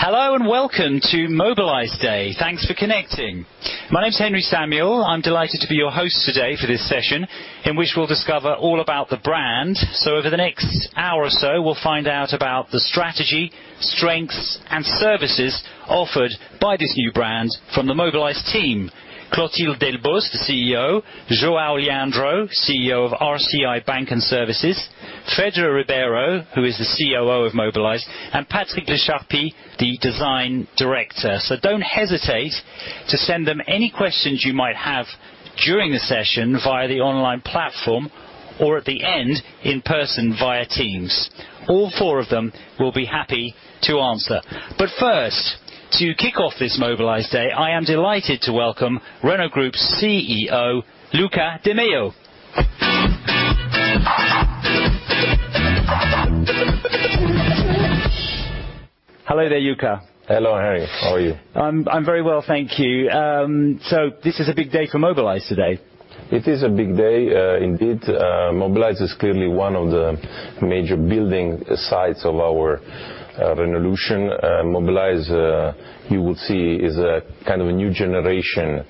Hello and welcome to Mobilize Day. Thanks for connecting. My name's Henry Samuel. I'm delighted to be your host today for this session, in which we'll discover all about the brand. Over the next hour or so, we'll find out about the strategy, strengths, and services offered by this new brand from the Mobilize team. Clotilde Delbos, the CEO, João Leandro, CEO of RCI Bank and Services, Fedra Ribeiro, who is the COO of Mobilize, and Patrick Lecharpy, the Design Director. Don't hesitate to send them any questions you might have during the session via the online platform or at the end in person via Teams. All four of them will be happy to answer. First, to kick off this Mobilize day, I am delighted to welcome Renault Group's CEO, Luca de Meo. Hello there, Luca. Hello, Henry. How are you? I'm very well, thank you. This is a big day for Mobilize today. It is a big day, indeed. Mobilize is clearly one of the major building sites of our Renaulution. Mobilize, you will see is a kind of a new generation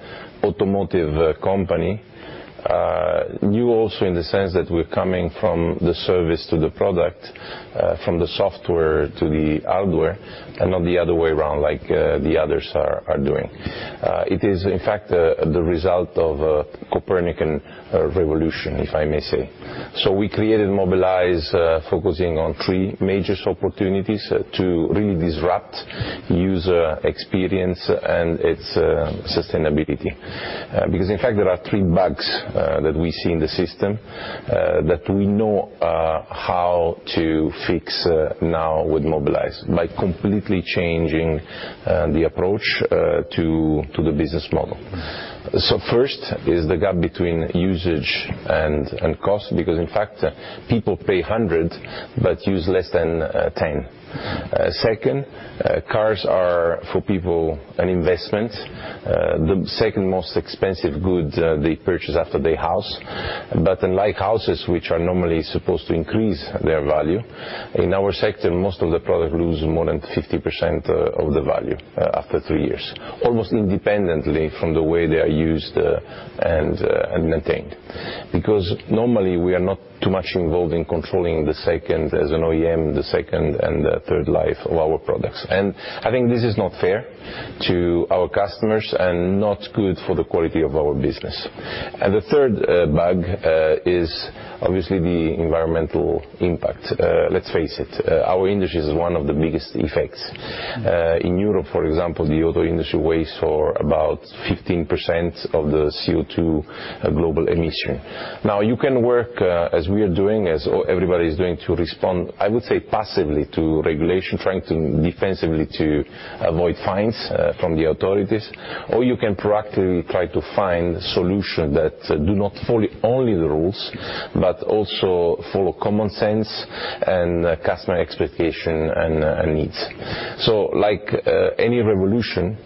automotive company. New also in the sense that we're coming from the service to the product, from the software to the hardware, and not the other way around like, the others are doing. It is in fact, the result of a Copernican revolution, if I may say. We created Mobilize, focusing on three major opportunities, to really disrupt user experience and its sustainability. Because in fact, there are three bugs, that we see in the system, that we know how to fix, now with Mobilize by completely changing the approach to the business model. First is the gap between usage and cost because, in fact, people pay 100 but use less than 10%. Second, cars are, for people, an investment, the second most expensive good they purchase after their house. Unlike houses, which are normally supposed to increase their value, in our sector, most of the products lose more than 50% of the value after three years, almost independently from the way they are used and maintained. Because normally, we are not too much involved in controlling the second-hand, as an OEM, the second and the third life of our products. I think this is not fair to our customers and not good for the quality of our business. The third big is obviously the environmental impact. Let's face it, our industry has one of the biggest effects. In Europe, for example, the auto industry accounts for about 15% of the CO2 global emission. Now, you can work, as we are doing, as everybody is doing, to respond, I would say, passively to regulation, trying defensively to avoid fines from the authorities. Or you can proactively try to find solution that do not follow only the rules, but also follow common sense and customer expectation and needs. Like, any revolution,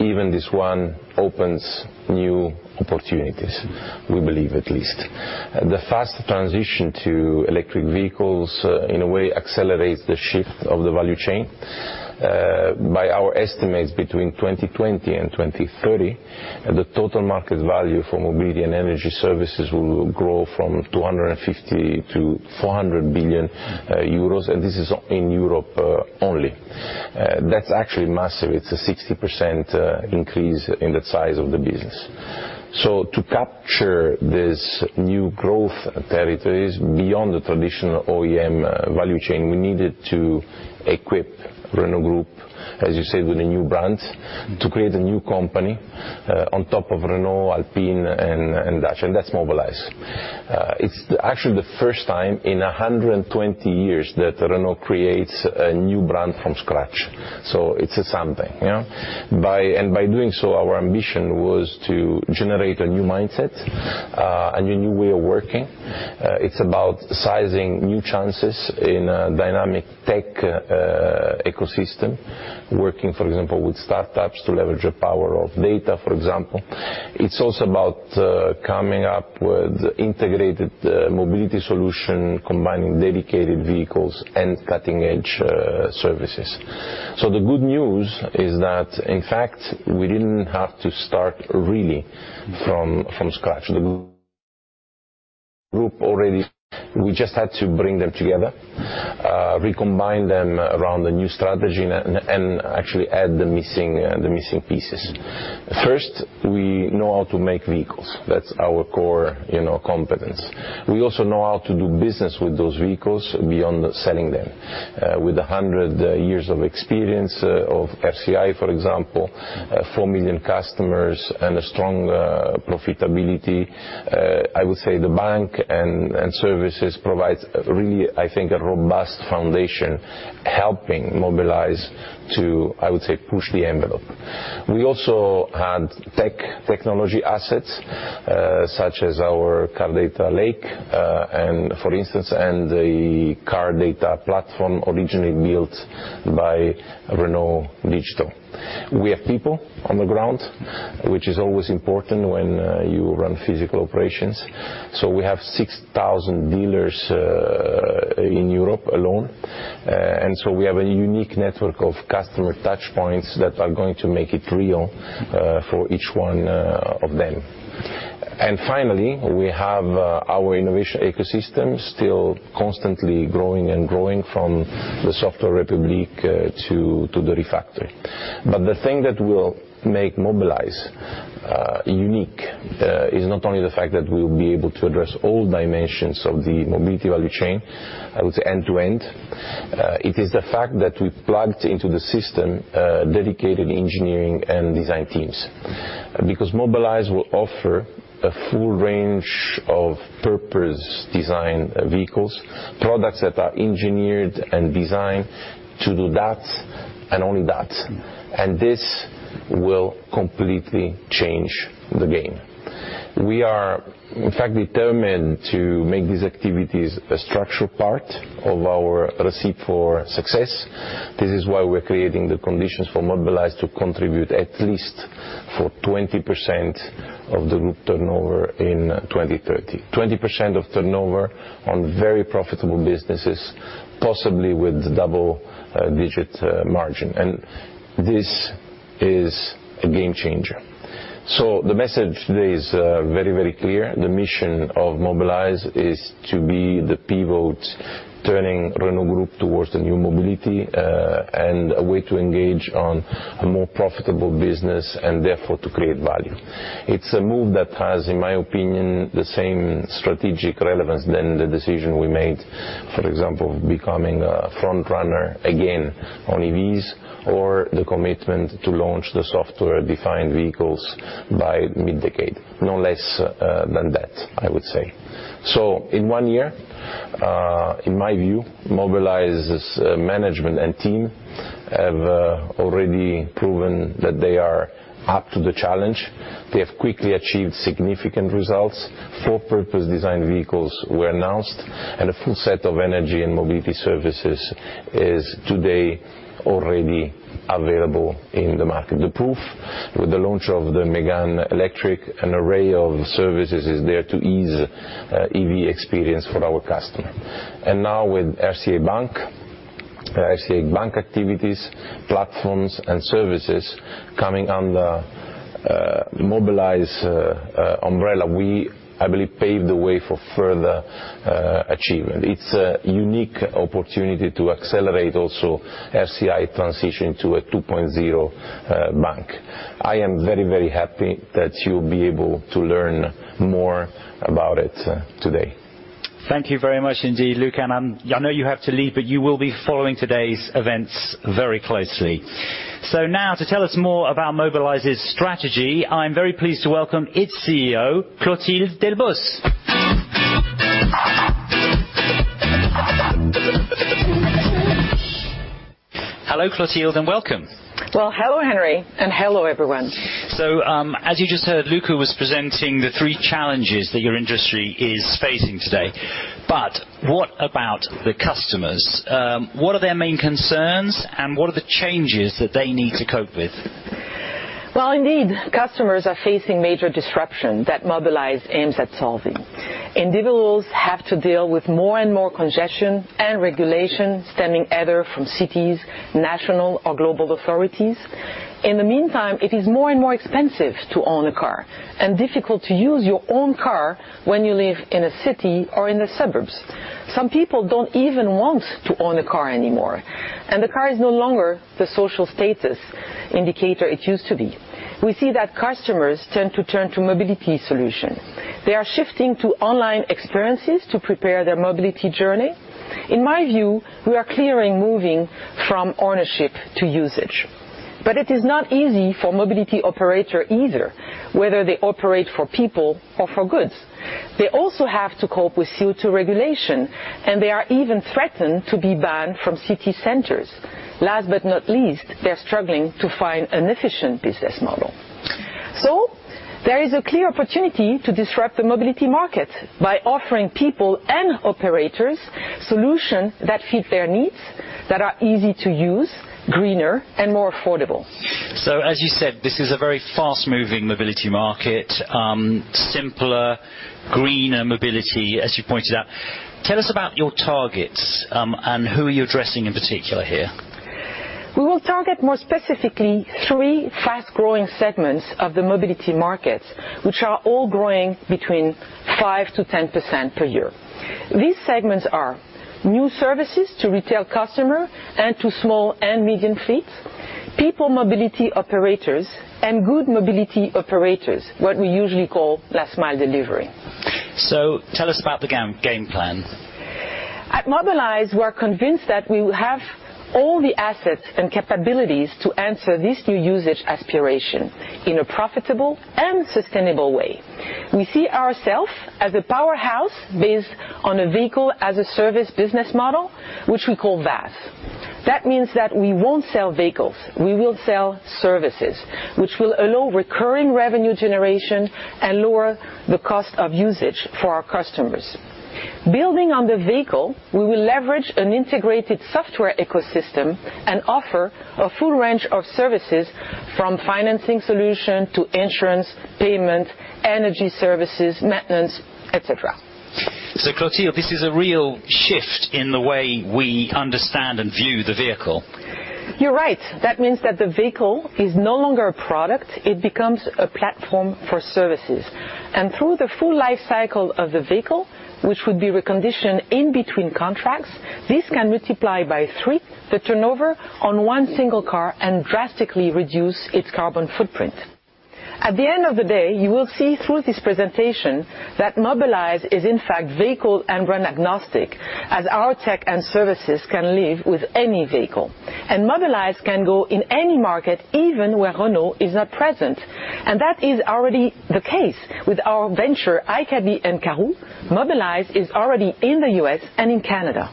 even this one opens new opportunities, we believe at least. The fast transition to electric vehicles, in a way accelerates the shift of the value chain. By our estimates, between 2020 and 2030, the total market value for mobility and energy services will grow from 250 billion-400 billion euros, and this is in Europe only. That's actually massive. It's a 60% increase in the size of the business. To capture these new growth territories beyond the traditional OEM value chain, we needed to equip Renault Group, as you said, with a new brand, to create a new company on top of Renault, Alpine and Dacia, and that's Mobilize. It's actually the first time in 120 years that Renault creates a new brand from scratch, so it's something, you know. By doing so, our ambition was to generate a new mindset, a new way of working. It's about sizing new chances in a dynamic tech ecosystem, working, for example, with startups to leverage the power of data, for example. It's also about coming up with integrated mobility solution, combining dedicated vehicles and cutting-edge services. The good news is that, in fact, we didn't have to start really from scratch. The group already. We just had to bring them together, recombine them around the new strategy and actually add the missing pieces. First, we know how to make vehicles. That's our core, you know, competence. We also know how to do business with those vehicles beyond selling them. With 100 years of experience of RCI, for example, 4 million customers and a strong profitability, I would say the bank and services provides really, I think, a robust foundation helping Mobilize to, I would say, push the envelope. We also had technology assets, such as our car data lake, and for instance, the car data platform originally built by Renault Digital. We have people on the ground, which is always important when you run physical operations. We have 6,000 dealers in Europe alone, and we have a unique network of customer touchpoints that are going to make it real for each one of them. Finally, we have our innovation ecosystem still constantly growing and growing from the Software République to the Refactory. The thing that will make Mobilize unique is not only the fact that we'll be able to address all dimensions of the mobility value chain, I would say end-to-end. It is the fact that we plugged into the system dedicated engineering and design teams. Because Mobilize will offer a full range of purpose design vehicles, products that are engineered and designed to do that and only that. This will completely change the game. We are, in fact, determined to make these activities a structural part of our recipe for success. This is why we're creating the conditions for Mobilize to contribute at least 20% of the group turnover in 2030. 20% of turnover on very profitable businesses, possibly with double-digit margin. This is a game changer. The message today is very, very clear. The mission of Mobilize is to be the pivot turning Renault Group towards the new mobility, and a way to engage on a more profitable business and therefore to create value. It's a move that has, in my opinion, the same strategic relevance than the decision we made, for example, becoming a front runner again on EVs, or the commitment to launch the software-defined vehicles by mid-decade. No less than that, I would say. In one year, in my view, Mobilize's management and team have already proven that they are up to the challenge. They have quickly achieved significant results. Four purpose-designed vehicles were announced, and a full set of energy and mobility services is today already available in the market. The proof, with the launch of the Megane Electric, an array of services is there to ease EV experience for our customer. Now with RCI Bank and Services activities, platforms, and services coming under Mobilize umbrella, we, I believe, paved the way for further achievement. It's a unique opportunity to accelerate also RCI Bank and Services transition to a 2.0 bank. I am very, very happy that you'll be able to learn more about it today. Thank you very much indeed, Luca. I know you have to leave, but you will be following today's events very closely. Now to tell us more about Mobilize's strategy, I'm very pleased to welcome its CEO, Clotilde Delbos. Hello, Clotilde, and welcome. Well, hello, Henry, and hello, everyone. As you just heard, Luca was presenting the three challenges that your industry is facing today. What about the customers? What are their main concerns, and what are the changes that they need to cope with? Well, indeed, customers are facing major disruption that Mobilize aims at solving. Individuals have to deal with more and more congestion and regulation stemming either from cities, national or global authorities. In the meantime, it is more and more expensive to own a car and difficult to use your own car when you live in a city or in the suburbs. Some people don't even want to own a car anymore, and the car is no longer the social status indicator it used to be. We see that customers tend to turn to mobility solutions. They are shifting to online experiences to prepare their mobility journey. In my view, we are clearly moving from ownership to usage. It is not easy for mobility operator either, whether they operate for people or for goods. They also have to cope with CO2 regulation, and they are even threatened to be banned from city centers. Last but not least, they're struggling to find an efficient business model. There is a clear opportunity to disrupt the mobility market by offering people and operators solutions that fit their needs, that are easy to use, greener and more affordable. As you said, this is a very fast-moving mobility market, simpler, greener mobility, as you pointed out. Tell us about your targets, and who are you addressing in particular here? We will target more specifically three fast-growing segments of the mobility market, which are all growing between 5%-10% per year. These segments are new services to retail customer and to small and medium fleets, people mobility operators, and goods mobility operators, what we usually call last mile delivery. Tell us about the game plan. At Mobilize, we are convinced that we have all the assets and capabilities to answer this new usage aspiration in a profitable and sustainable way. We see ourselves as a powerhouse based on a vehicle-as-a-service business model, which we call VaaS. That means that we won't sell vehicles, we will sell services, which will allow recurring revenue generation and lower the cost of usage for our customers. Building on the vehicle, we will leverage an integrated software ecosystem and offer a full range of services from financing solution to insurance, payment, energy services, maintenance, et cetera. Clotilde, this is a real shift in the way we understand and view the vehicle. You're right. That means that the vehicle is no longer a product. It becomes a platform for services. Through the full life cycle of the vehicle, which would be reconditioned in between contracts, this can multiply by three the turnover on one single car and drastically reduce its carbon footprint. At the end of the day, you will see through this presentation that Mobilize is in fact vehicle and brand agnostic, as our tech and services can live with any vehicle. Mobilize can go in any market, even where Renault is not present. That is already the case with our venture, iCabbi and Karhoo. Mobilize is already in the U.S. and in Canada.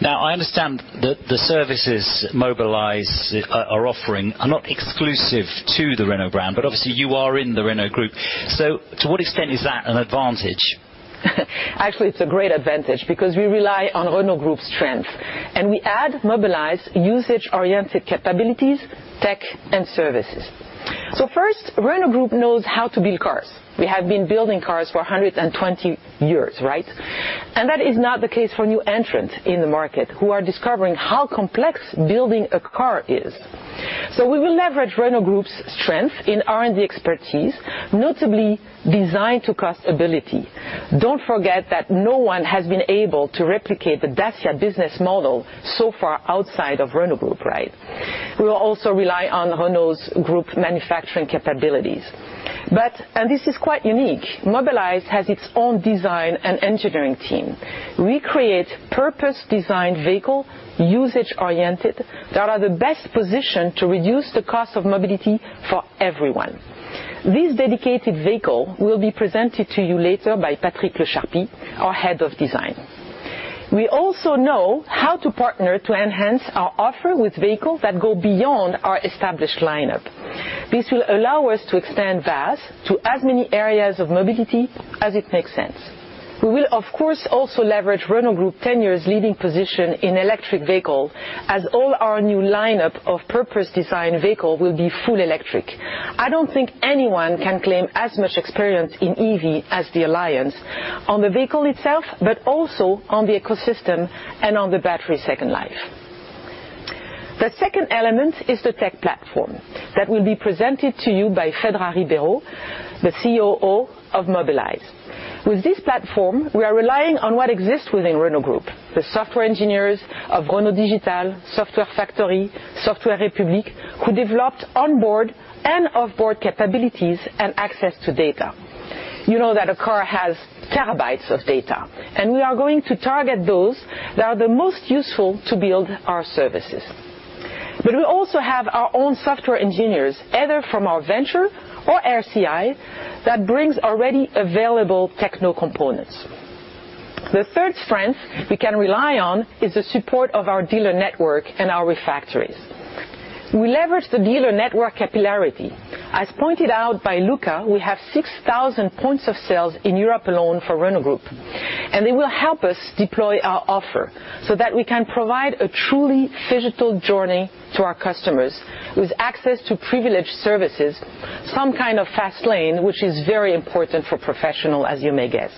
Now, I understand the services Mobilize are offering are not exclusive to the Renault brand, but obviously you are in the Renault Group. To what extent is that an advantage? Actually, it's a great advantage because we rely on Renault Group's strength. We add Mobilize usage-oriented capabilities, tech, and services. First, Renault Group knows how to build cars. We have been building cars for 100 years, right? That is not the case for new entrants in the market who are discovering how complex building a car is. We will leverage Renault Group's strength in R&D expertise, notably design-to-cost ability. Don't forget that no one has been able to replicate the Dacia business model so far outside of Renault Group, right? We will also rely on Renault Group's manufacturing capabilities. This is quite unique. Mobilize has its own design and engineering team. We create purpose-designed vehicle, usage-oriented, that are the best position to reduce the cost of mobility for everyone. This dedicated vehicle will be presented to you later by Patrick Lecharpy, our Head of Design. We also know how to partner to enhance our offer with vehicles that go beyond our established lineup. This will allow us to extend VaaS to as many areas of mobility as it makes sense. We will, of course, also leverage Renault Group's ten years leading position in electric vehicle, as all our new lineup of purpose-designed vehicle will be full electric. I don't think anyone can claim as much experience in EV as the alliance on the vehicle itself, but also on the ecosystem and on the battery second life. The second element is the tech platform that will be presented to you by Fedra Ribeiro, the COO of Mobilize. With this platform, we are relying on what exists within Renault Group, the software engineers of Renault Digital, Software Factory, Software République, who developed onboard and off-board capabilities and access to data. You know that a car has terabytes of data, and we are going to target those that are the most useful to build our services. We also have our own software engineers, either from our venture or RCI, that brings already available techno components. The third strength we can rely on is the support of our dealer network and our Refactory. We leverage the dealer network capillarity. As pointed out by Luca, we have 6,000 points of sales in Europe alone for Renault Group, and they will help us deploy our offer so that we can provide a truly digital journey to our customers with access to privileged services, some kind of fast lane, which is very important for professional, as you may guess.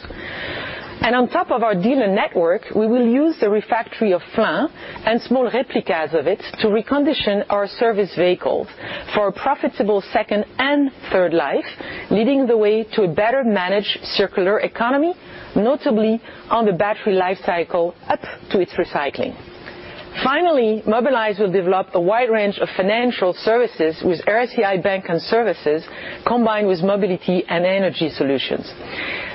On top of our dealer network, we will use the Refactory of Flins and small replicas of it to recondition our service vehicles for a profitable second and third life, leading the way to a better managed circular economy, notably on the battery life cycle up to its recycling. Finally, Mobilize will develop a wide range of financial services with RCI Bank and Services combined with mobility and energy solutions.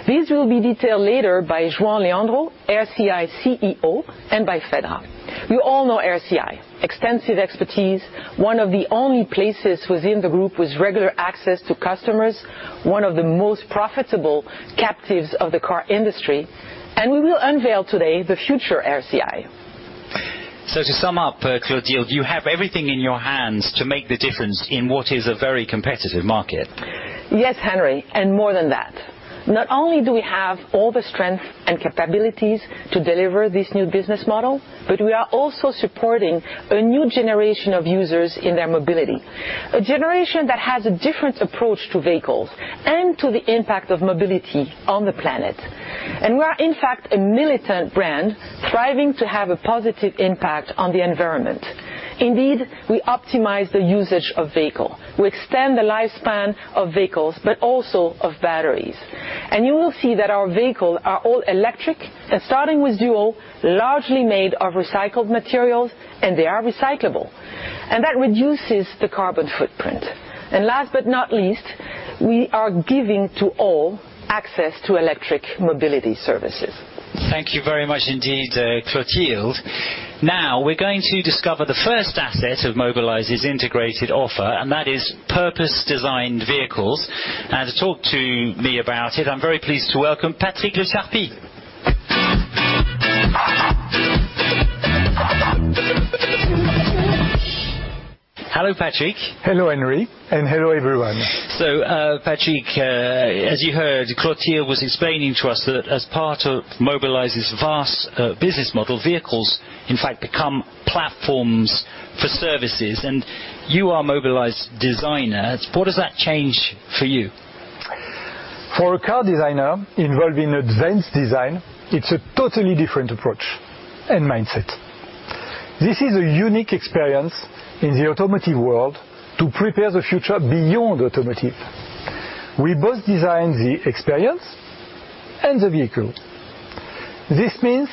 These will be detailed later by João Leandro, RCI CEO, and by Fedra. We all know RCI. Extensive expertise, one of the only places within the group with regular access to customers, one of the most profitable captives of the car industry. We will unveil today the future RCI. To sum up, Clotilde, you have everything in your hands to make the difference in what is a very competitive market. Yes, Henry, more than that. Not only do we have all the strength and capabilities to deliver this new business model, but we are also supporting a new generation of users in their mobility. A generation that has a different approach to vehicles and to the impact of mobility on the planet. We are in fact a militant brand thriving to have a positive impact on the environment. Indeed, we optimize the usage of vehicle. We extend the lifespan of vehicles, but also of batteries. You will see that our vehicle are all electric and starting with Duo, largely made of recycled materials, and they are recyclable. That reduces the carbon footprint. Last but not least, we are giving to all access to electric mobility services. Thank you very much indeed, Clotilde. Now, we're going to discover the first asset of Mobilize's integrated offer, and that is purpose-designed vehicles. To talk to me about it, I'm very pleased to welcome Patrick Lecharpy. Hello, Patrick. Hello, Henry, and hello, everyone. Patrick, as you heard, Clotilde was explaining to us that as part of Mobilize's vast business model, vehicles in fact become platforms for services, and you are Mobilize designer. What does that change for you? For a car designer involved in advanced design, it's a totally different approach and mindset. This is a unique experience in the automotive world to prepare the future beyond automotive. We both design the experience and the vehicle. This means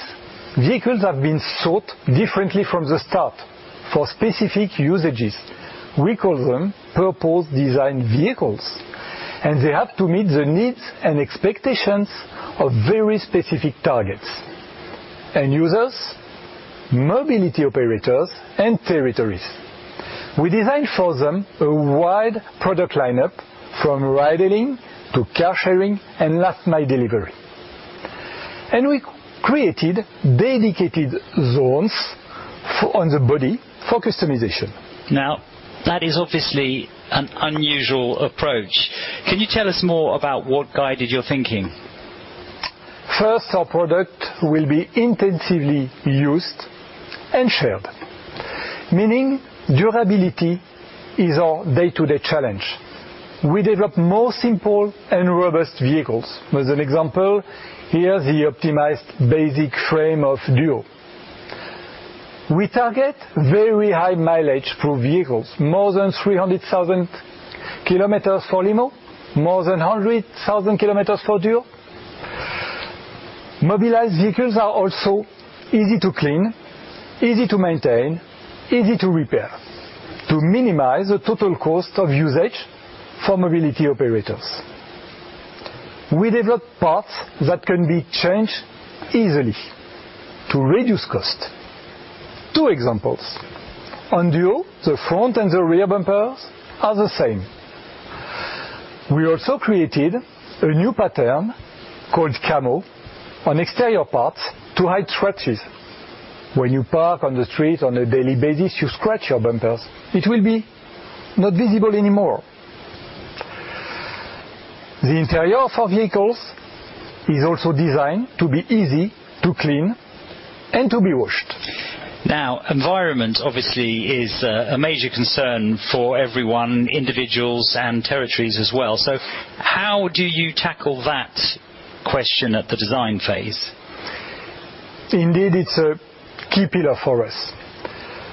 vehicles have been thought differently from the start for specific usages. We call them purpose-designed vehicles, and they have to meet the needs and expectations of very specific targets, end users, mobility operators, and territories. We design for them a wide product lineup from ride-hailing to car-sharing and last-mile delivery. We created dedicated zones on the body for customization. Now, that is obviously an unusual approach. Can you tell us more about what guided your thinking? First, our product will be intensively used and shared, meaning durability is our day-to-day challenge. We develop more simple and robust vehicles. As an example, here, the optimized basic frame of Duo. We target very high mileage per vehicles, more than 300,000 km for Limo, more than 100,000 kilometers for Duo. Mobilize vehicles are also easy to clean, easy to maintain, easy to repair, to minimize the total cost of usage for mobility operators. We develop parts that can be changed easily to reduce cost. Two examples. On Duo, the front and the rear bumpers are the same. We also created a new pattern called camo on exterior parts to hide scratches. When you park on the street on a daily basis, you scratch your bumpers. It will be not visible anymore. The interior for vehicles is also designed to be easy to clean and to be washed. Now, environment, obviously, is a major concern for everyone, individuals and territories as well. How do you tackle that question at the design phase? Indeed, it's a key pillar for us.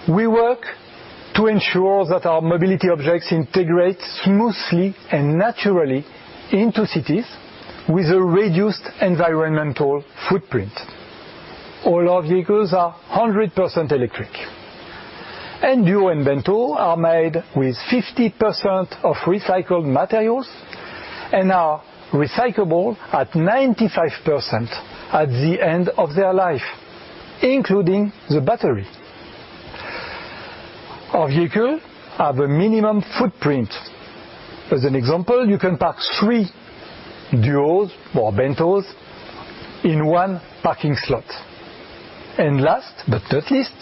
We work to ensure that our mobility objects integrate smoothly and naturally into cities with a reduced environmental footprint. All our vehicles are 100% electric, and Duo and Bento are made with 50% of recycled materials and are recyclable at 95% at the end of their life, including the battery. Our vehicles have a minimum footprint. As an example, you can park three Duos or Bentos in one parking slot. Last but not least,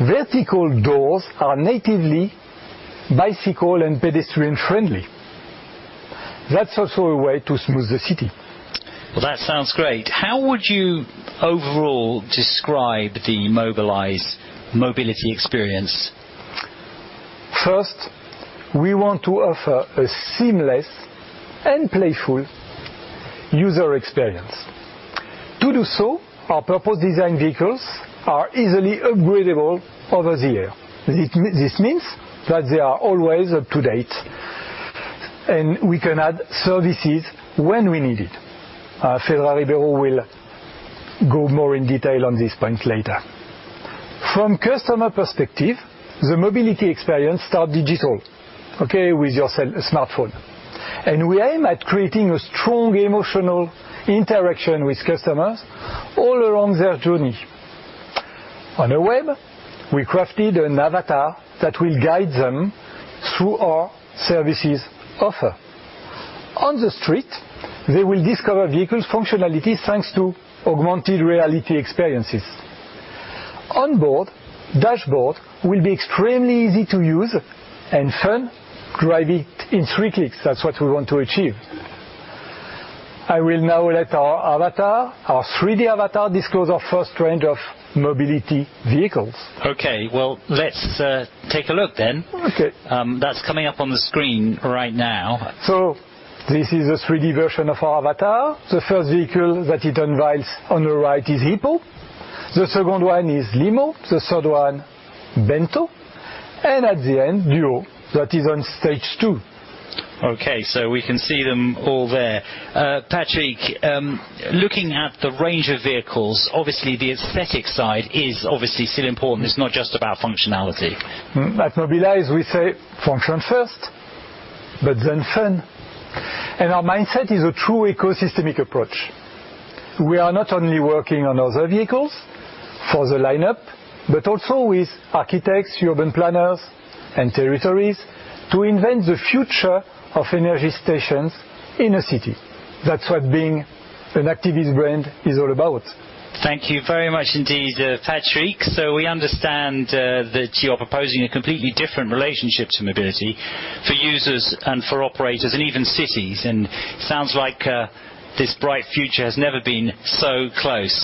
vertical doors are natively bicycle and pedestrian-friendly. That's also a way to smooth the city. Well, that sounds great. How would you overall describe the Mobilize mobility experience? First, we want to offer a seamless and playful user experience. To do so, our purpose-designed vehicles are easily upgradeable over the air. This means that they are always up to date, and we can add services when we need it. Fedra Ribeiro will go more in detail on this point later. From customer perspective, the mobility experience start digital, okay, with your cell, smartphone. We aim at creating a strong emotional interaction with customers all along their journey. On the web, we crafted an avatar that will guide them through our services offer. On the street, they will discover vehicles functionalities, thanks to augmented reality experiences. Onboard, dashboard will be extremely easy to use and fun, drive it in three clicks. That's what we want to achieve. I will now let our avatar, our 3-D avatar, disclose our first range of mobility vehicles. Okay, well, let's take a look then. Okay. That's coming up on the screen right now. This is a 3-D version of our avatar. The first vehicle that it unveils on the right is HIPPO. The second one is Limo, the third one Bento, and at the end, Duo. That is on stage 2. Okay, we can see them all there. Patrick, looking at the range of vehicles, obviously the aesthetic side is obviously still important. It's not just about functionality. At Mobilize we say function first, but then fun. Our mindset is a true ecosystemic approach. We are not only working on other vehicles for the lineup, but also with architects, urban planners, and territories to invent the future of energy stations in a city. That's what being an activist brand is all about. Thank you very much indeed, Patrick Lecharpy. We understand that you're proposing a completely different relationship to mobility for users and for operators and even cities. Sounds like this bright future has never been so close.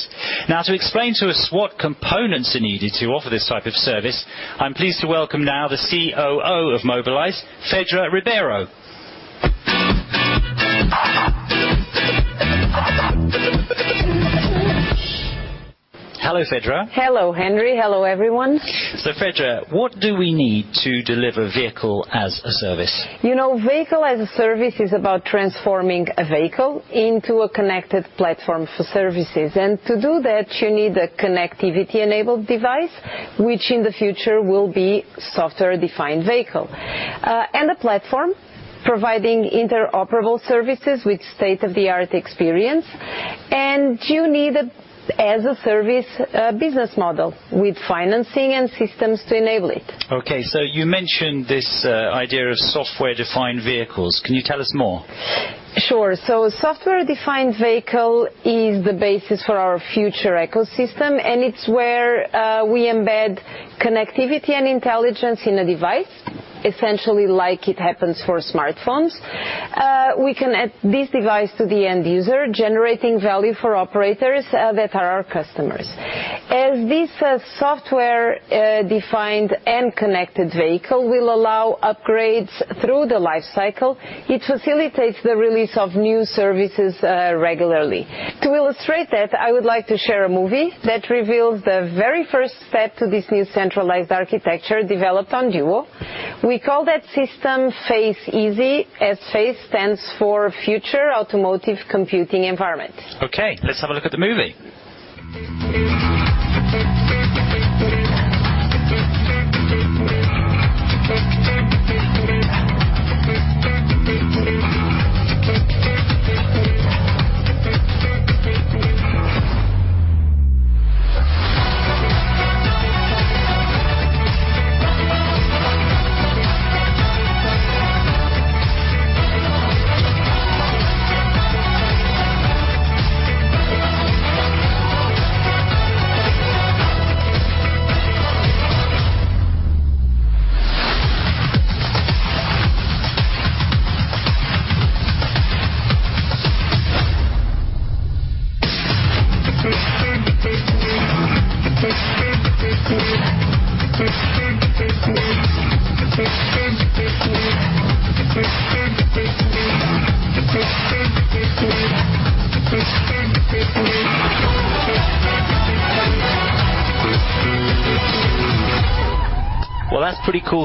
Now, to explain to us what components are needed to offer this type of service, I'm pleased to welcome now the COO of Mobilize, Fedra Ribeiro. Hello, Fedra. Hello, Henry. Hello, everyone. Fedra, what do we need to deliver vehicle-as-a-service? You know, vehicle-as-a-service is about transforming a vehicle into a connected platform for services. To do that, you need a connectivity-enabled device, which in the future will be software-defined vehicle, and a platform providing interoperable services with state-of-the-art experience. You need as-a-service business model with financing and systems to enable it. Okay, you mentioned this, idea of software-defined vehicles. Can you tell us more? Sure. Software-defined vehicle is the basis for our future ecosystem, and it's where we embed connectivity and intelligence in a device, essentially like it happens for smartphones. We connect this device to the end user, generating value for operators that are our customers. As this software defined and connected vehicle will allow upgrades through the life cycle, it facilitates the release of new services regularly. To illustrate that, I would like to share a movie that reveals the very first step to this new centralized architecture developed on Duo. We call that system FACE-easy, as FACE stands for Future Architecture Computing Environment. Okay, let's have a look at the movie.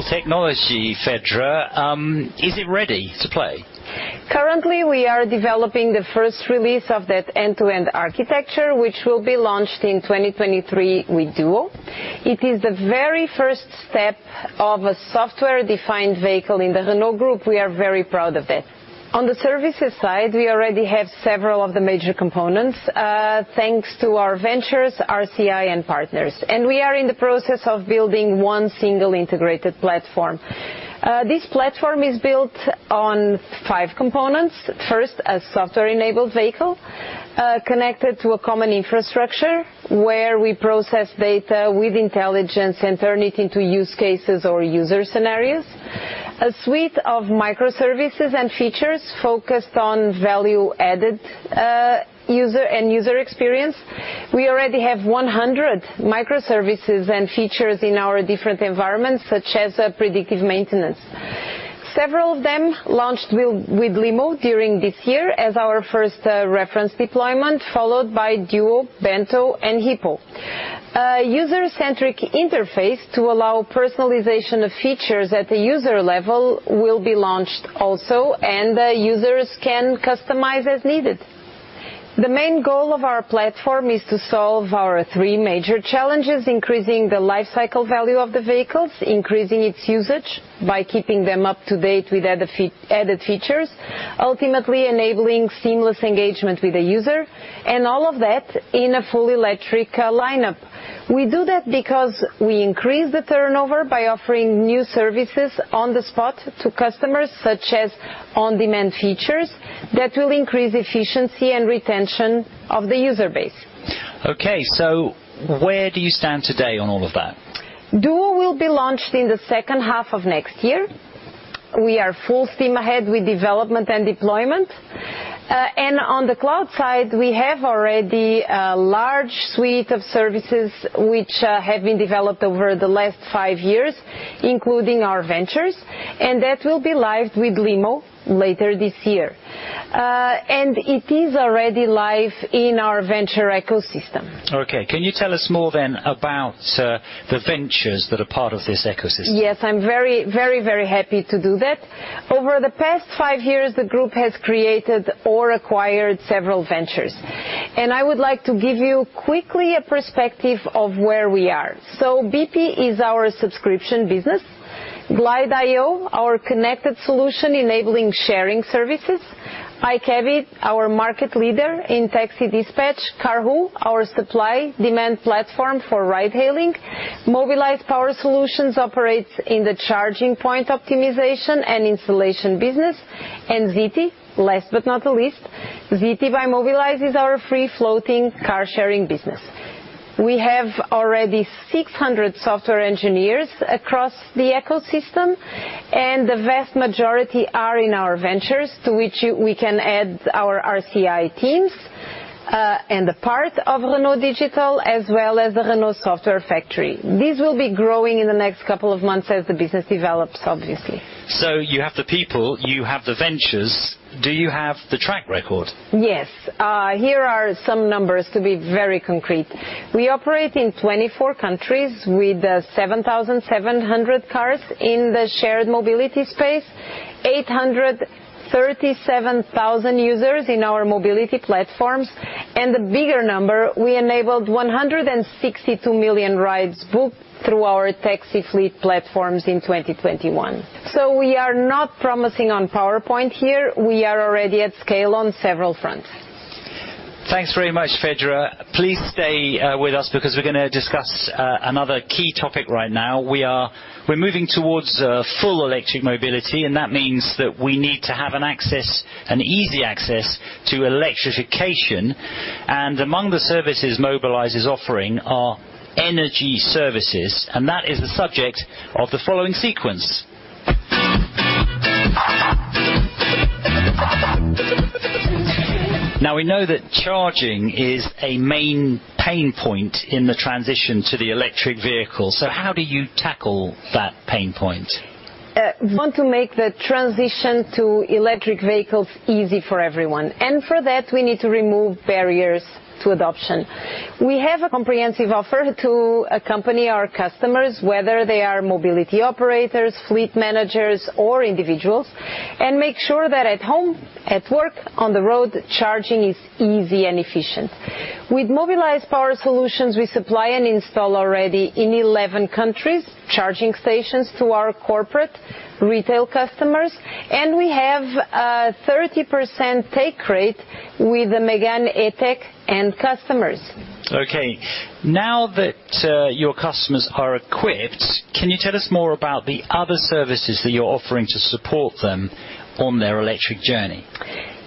Well, that's pretty cool technology, Fedra. Is it ready to play? Currently, we are developing the first release of that end-to-end architecture, which will be launched in 2023 with Duo. It is the very first step of a software-defined vehicle in the Renault Group. We are very proud of it. On the services side, we already have several of the major components, thanks to our ventures, RCI and partners. We are in the process of building one single integrated platform. This platform is built on five components. First, a software-defined vehicle, connected to a common infrastructure where we process data with intelligence and turn it into use cases or user scenarios. A suite of microservices and features focused on value-added, user and user experience. We already have 100 microservices and features in our different environments, such as predictive maintenance. Several of them launched with Limo during this year as our first reference deployment, followed by Duo, Bento and HIPPO. A user-centric interface to allow personalization of features at the user level will be launched also, and users can customize as needed. The main goal of our platform is to solve our three major challenges, increasing the life cycle value of the vehicles, increasing its usage by keeping them up to date with added features, ultimately enabling seamless engagement with the user, and all of that in a full electric lineup. We do that because we increase the turnover by offering new services on the spot to customers, such as on-demand features that will increase efficiency and retention of the user base. Okay. Where do you stand today on all of that? Duo will be launched in the second half of next year. We are full steam ahead with development and deployment. On the cloud side, we have already a large suite of services which have been developed over the last five years, including our ventures, and that will be live with Limo later this year. It is already live in our venture ecosystem. Okay. Can you tell us more then about the ventures that are part of this ecosystem? Yes, I'm very happy to do that. Over the past five years, the Group has created or acquired several ventures, and I would like to give you quickly a perspective of where we are. Bipi is our subscription business. glide.io, our connected solution enabling sharing services. iCabbi, our market leader in taxi dispatch. Karhoo, our supply demand platform for ride hailing. Mobilize Power Solutions operates in the charging point optimization and installation business. Zity, last but not the least, Zity by Mobilize is our free-floating car-sharing business. We have already 600 software engineers across the ecosystem, and the vast majority are in our ventures to which we can add our RCI teams, and the part of Renault Digital, as well as the Renault Software Factory. This will be growing in the next couple of months as the business develops, obviously. You have the people, you have the ventures. Do you have the track record? Yes. Here are some numbers to be very concrete. We operate in 24 countries with 7,700 cars in the shared mobility space. 837,000 users in our mobility platforms. The bigger number, we enabled 162 million rides booked through our taxi fleet platforms in 2021. We are not promising on PowerPoint here. We are already at scale on several fronts. Thanks very much, Fedra. Please stay with us because we're gonna discuss another key topic right now. We're moving towards full electric mobility, and that means that we need to have an access, an easy access to electrification. Among the services Mobilize is offering are energy services, and that is the subject of the following sequence. We know that charging is a main pain point in the transition to the electric vehicle. How do you tackle that pain point? We want to make the transition to electric vehicles easy for everyone, and for that, we need to remove barriers to adoption. We have a comprehensive offer to accompany our customers, whether they are mobility operators, fleet managers or individuals, and make sure that at home, at work, on the road, charging is easy and efficient. With Mobilize Power Solutions, we supply and install already in 11 countries, charging stations to our corporate retail customers, and we have a 30% take rate with the Megane E-Tech end customers. Okay. Now that your customers are equipped, can you tell us more about the other services that you're offering to support them on their electric journey?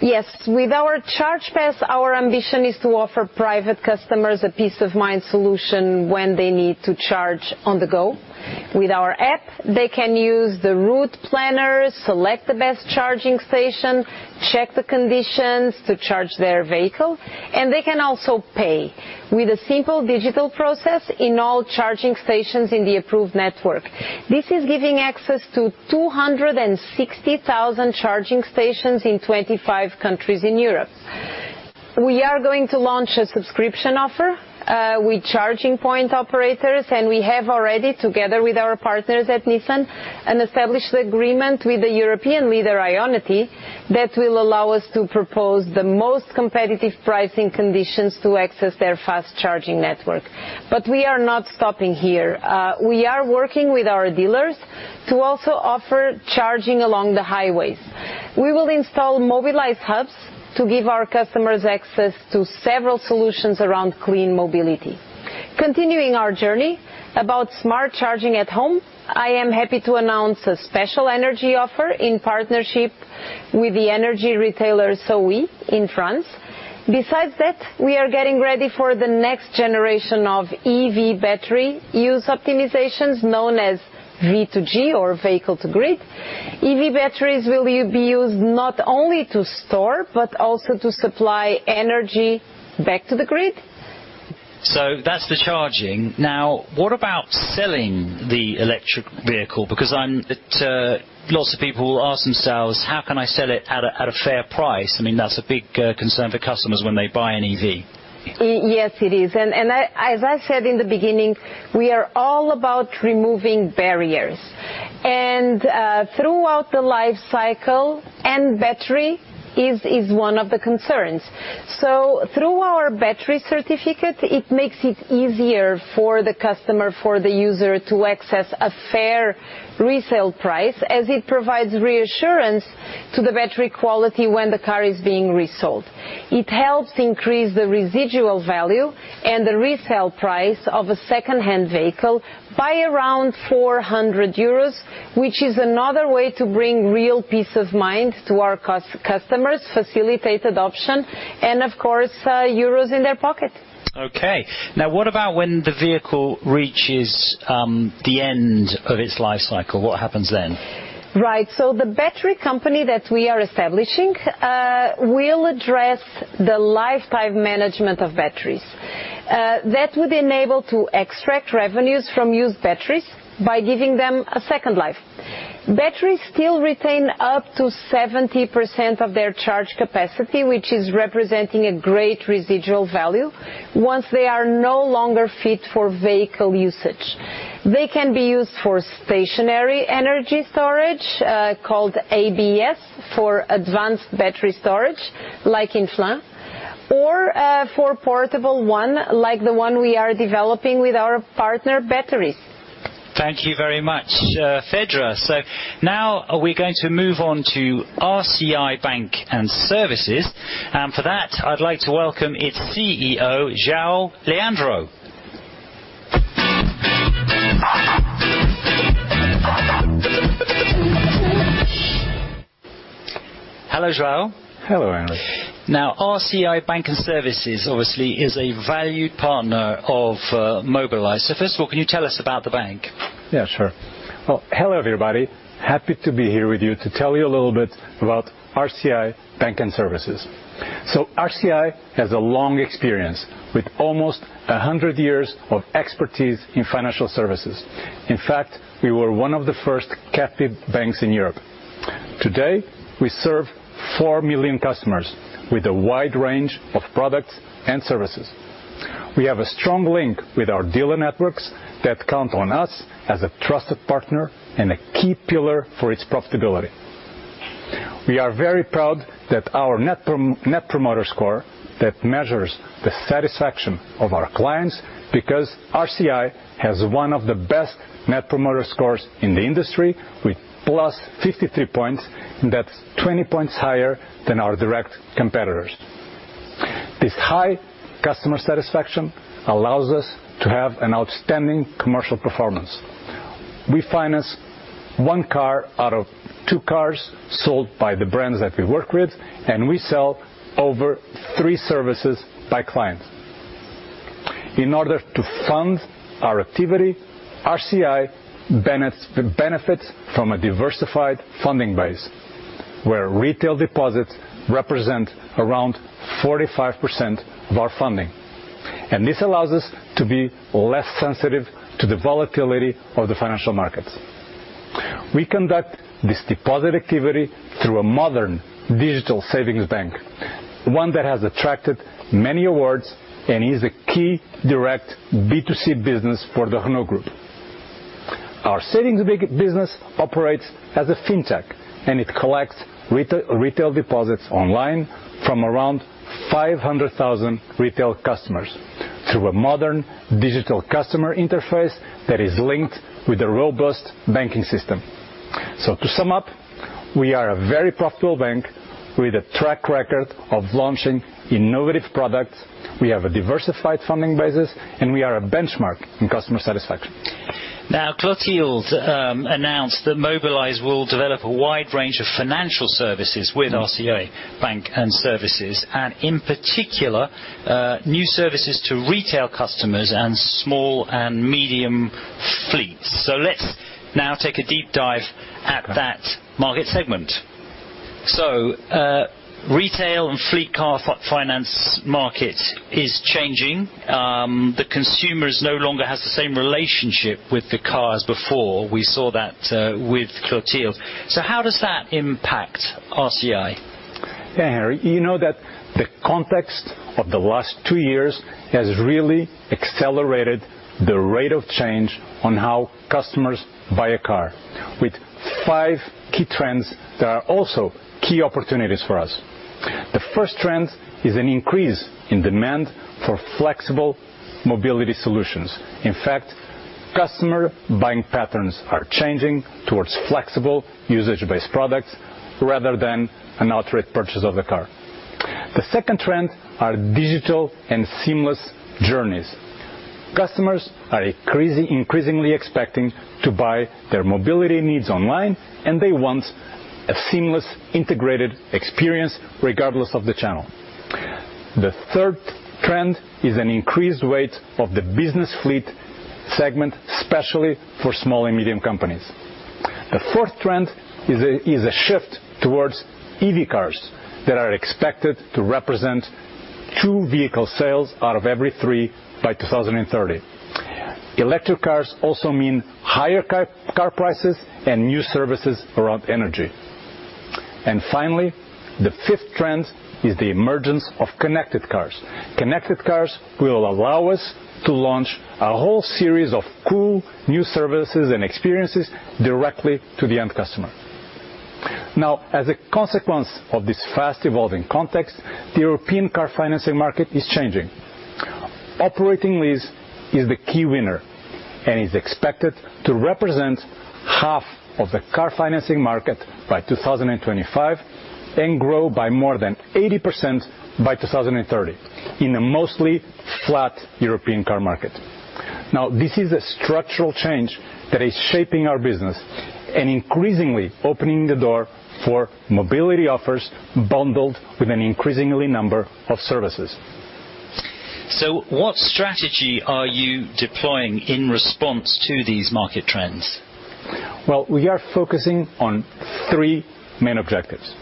Yes. With our Charge Pass, our ambition is to offer private customers a peace-of-mind solution when they need to charge on the go. With our app, they can use the route planners, select the best charging station, check the conditions to charge their vehicle, and they can also pay with a simple digital process in all charging stations in the approved network. This is giving access to 260,000 charging stations in 25 countries in Europe. We are going to launch a subscription offer with charging point operators, and we have already, together with our partners at Nissan, an established agreement with the European leader, IONITY, that will allow us to propose the most competitive pricing conditions to access their fast charging network. We are not stopping here. We are working with our dealers to also offer charging along the highways. We will install Mobilize hubs to give our customers access to several solutions around clean mobility. Continuing our journey about smart charging at home, I am happy to announce a special energy offer in partnership with the energy retailer Sowee in France. Besides that, we are getting ready for the next generation of EV battery use optimizations known as V2G or vehicle to grid. EV batteries will be used not only to store, but also to supply energy back to the grid. That's the charging. Now, what about selling the electric vehicle? Because lots of people will ask themselves: How can I sell it at a fair price? I mean, that's a big concern for customers when they buy an EV. Yes, it is. As I said in the beginning, we are all about removing barriers. Throughout the life cycle, and battery is one of the concerns. Through our battery certificate, it makes it easier for the customer, for the user to access a fair resale price as it provides reassurance to the battery quality when the car is being resold. It helps increase the residual value and the resale price of a secondhand vehicle by around 400 euros, which is another way to bring real peace of mind to our customers, facilitate adoption, and of course, euros in their pocket. Okay. Now, what about when the vehicle reaches the end of its life cycle? What happens then? Right. The battery company that we are establishing will address the lifetime management of batteries. That would enable to extract revenues from used batteries by giving them a second life. Betteries still retain up to 70% of their charge capacity, which is representing a great residual value once they are no longer fit for vehicle usage. They can be used for stationary energy storage called ABS for advanced battery storage, like in Flins, or for portable one, like the one we are developing with our partner, betteries. Thank you very much, Fedra. Now we're going to move on to RCI Bank and Services. For that, I'd like to welcome its CEO, João Leandro. Hello, João. Hello, Andrew. Now, RCI Bank and Services obviously is a valued partner of Mobilize. First of all, can you tell us about the bank? Yeah, sure. Well, hello, everybody. Happy to be here with you to tell you a little bit about RCI Bank and Services. RCI has a long experience with almost a hundred years of expertise in financial services. In fact, we were one of the first captive banks in Europe. Today, we serve 4 million customers with a wide range of products and services. We have a strong link with our dealer networks that count on us as a trusted partner and a key pillar for its profitability. We are very proud that our Net Promoter Score that measures the satisfaction of our clients, because RCI has one of the best Net Promoter Scores in the industry with +53 points, and that's 20 points higher than our direct competitors. This high customer satisfaction allows us to have an outstanding commercial performance. We finance one car out of two cars sold by the brands that we work with, and we sell over three services by client. In order to fund our activity, RCI benefits from a diversified funding base, where retail deposits represent around 45% of our funding. This allows us to be less sensitive to the volatility of the financial markets. We conduct this deposit activity through a modern digital savings bank, one that has attracted many awards and is a key direct B2C business for the Renault Group. Our savings bank business operates as a fintech, and it collects retail deposits online from around 500,000 retail customers through a modern digital customer interface that is linked with a robust banking system. To sum up, we are a very profitable bank with a track record of launching innovative products. We have a diversified funding basis, and we are a benchmark in customer satisfaction. Now, Clotilde announced that Mobilize will develop a wide range of financial services with RCI Bank and Services, and in particular, new services to retail customers and small and medium fleets. Let's now take a deep dive at that market segment. Retail and fleet car finance market is changing. The consumers no longer has the same relationship with the car as before. We saw that with Clotilde. How does that impact RCI? Yeah, Harry, you know that the context of the last two years has really accelerated the rate of change on how customers buy a car. With five key trends that are also key opportunities for us. The first trend is an increase in demand for flexible mobility solutions. In fact, customer buying patterns are changing towards flexible usage-based products rather than an outright purchase of the car. The second trend are digital and seamless journeys. Customers are increasingly expecting to buy their mobility needs online, and they want a seamless, integrated experience regardless of the channel. The third trend is an increased weight of the business fleet segment, especially for small and medium companies. The fourth trend is a shift towards EV cars that are expected to represent two vehicle sales out of every three by 2030. Electric cars also mean higher car prices and new services around energy. Finally, the fifth trend is the emergence of connected cars. Connected cars will allow us to launch a whole series of cool new services and experiences directly to the end customer. Now, as a consequence of this fast-evolving context, the European car financing market is changing. Operating lease is the key winner and is expected to represent half of the car financing market by 2025 and grow by more than 80% by 2030 in a mostly flat European car market. Now, this is a structural change that is shaping our business and increasingly opening the door for mobility offers bundled with an increasing number of services. What strategy are you deploying in response to these market trends? Well, we are focusing on three main objectives.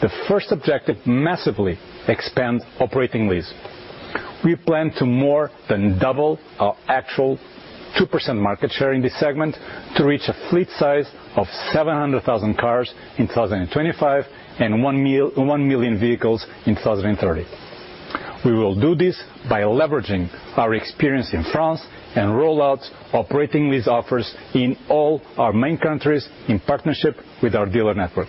The first objective, massively expand operating lease. We plan to more than double our actual 2% market share in this segment to reach a fleet size of 700,000 cars in 2025 and 1 million vehicles in 2030. We will do this by leveraging our experience in France and roll out operating lease offers in all our main countries in partnership with our dealer network.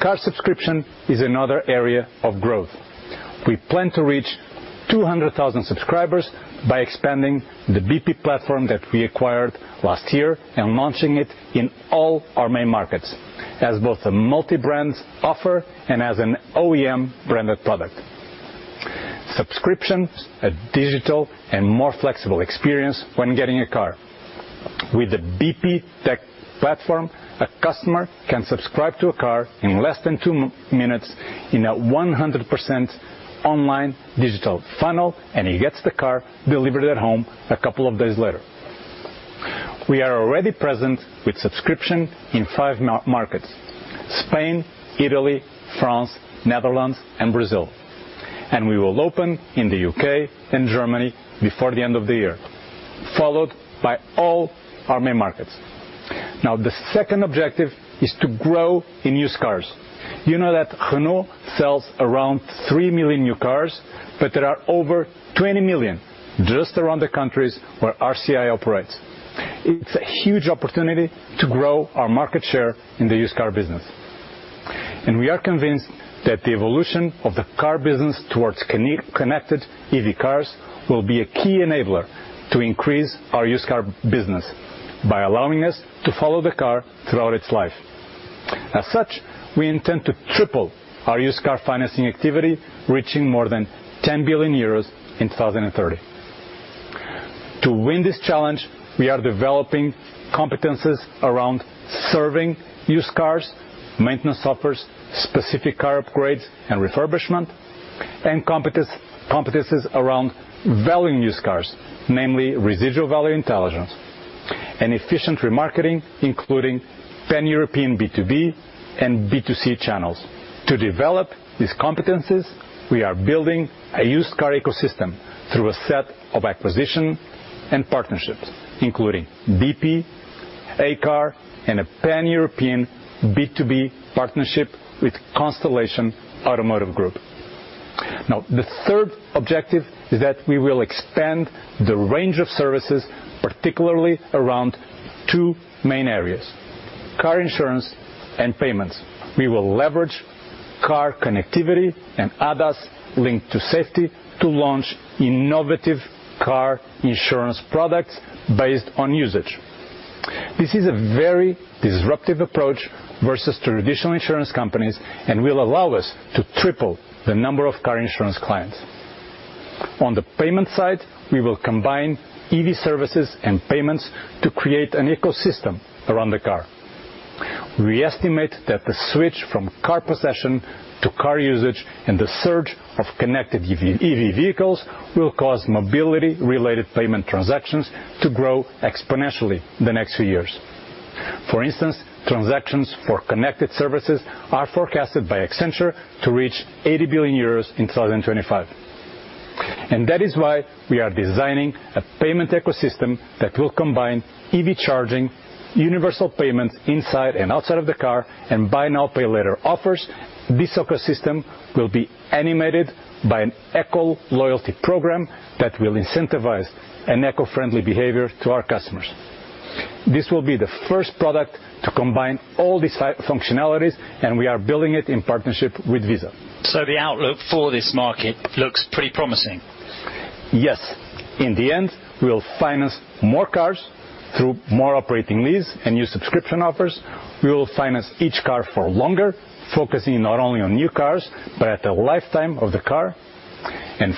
Car subscription is another area of growth. We plan to reach 200,000 subscribers by expanding the BeepMe platform that we acquired last year and launching it in all our main markets as both a multi-brand offer and as an OEM-branded product. Subscription, a digital and more flexible experience when getting a car. With the BeepMe tech platform, a customer can subscribe to a car in less than two minutes in a 100% online digital funnel, and he gets the car delivered at home a couple of days later. We are already present with subscription in five markets, Spain, Italy, France, Netherlands and Brazil. We will open in the U.K. and Germany before the end of the year, followed by all our main markets. Now, the second objective is to grow in used cars. You know that Renault sells around 3 million new cars, but there are over 20 million just around the countries where RCI operates. It's a huge opportunity to grow our market share in the used car business. We are convinced that the evolution of the car business towards connected EV cars will be a key enabler to increase our used car business by allowing us to follow the car throughout its life. As such, we intend to triple our used car financing activity, reaching more than 10 billion euros in 2030. To win this challenge, we are developing competencies around serving used cars, maintenance offers, specific car upgrades and refurbishment, and competencies around valuing used cars, namely residual value intelligence and efficient remarketing, including pan-European B2B and B2C channels. To develop these competencies, we are building a used car ecosystem through a set of acquisition and partnerships, including BP, Acar, and a pan-European B2B partnership with Constellation Automotive Group. Now, the third objective is that we will extend the range of services, particularly around two main areas, car insurance and payments. We will leverage car connectivity and ADAS link to safety to launch innovative car insurance products based on usage. This is a very disruptive approach versus traditional insurance companies and will allow us to triple the number of car insurance clients. On the payment side, we will combine EV services and payments to create an ecosystem around the car. We estimate that the switch from car possession to car usage and the surge of connected EV vehicles will cause mobility-related payment transactions to grow exponentially in the next few years. For instance, transactions for connected services are forecasted by Accenture to reach 80 billion euros in 2025. That is why we are designing a payment ecosystem that will combine EV charging, universal payments inside and outside of the car, and buy now, pay later offers. This ecosystem will be animated by an eco loyalty program that will incentivize an eco-friendly behavior to our customers. This will be the first product to combine all these multi-functionalities, and we are building it in partnership with Visa. The outlook for this market looks pretty promising. Yes. In the end, we will finance more cars through more operating lease and new subscription offers. We will finance each car for longer, focusing not only on new cars, but at the lifetime of the car.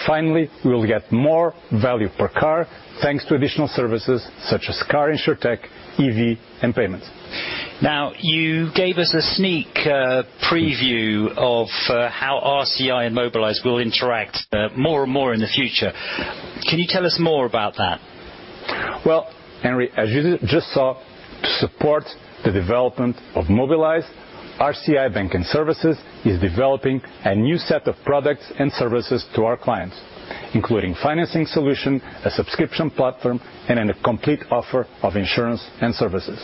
Finally, we will get more value per car, thanks to additional services such as car insurtech, EV, and payment. Now, you gave us a sneak preview of how RCI and Mobilize will interact more and more in the future. Can you tell us more about that? Well, Henry, as you just saw, to support the development of Mobilize, RCI Bank and Services is developing a new set of products and services to our clients, including financing solution, a subscription platform, and then a complete offer of insurance and services.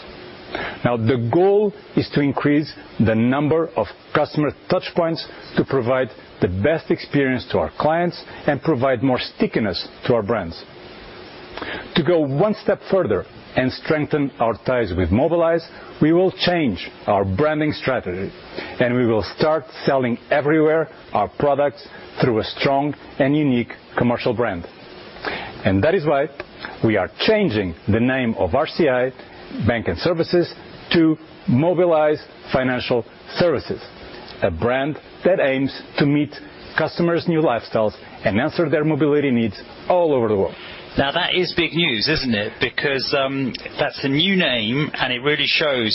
Now, the goal is to increase the number of customer touch points to provide the best experience to our clients and provide more stickiness to our brands. To go one step further and strengthen our ties with Mobilize, we will change our branding strategy, and we will start selling everywhere our products through a strong and unique commercial brand. That is why we are changing the name of RCI Bank and Services to Mobilize Financial Services, a brand that aims to meet customers' new lifestyles and answer their mobility needs all over the world. Now, that is big news, isn't it? Because, that's a new name, and it really shows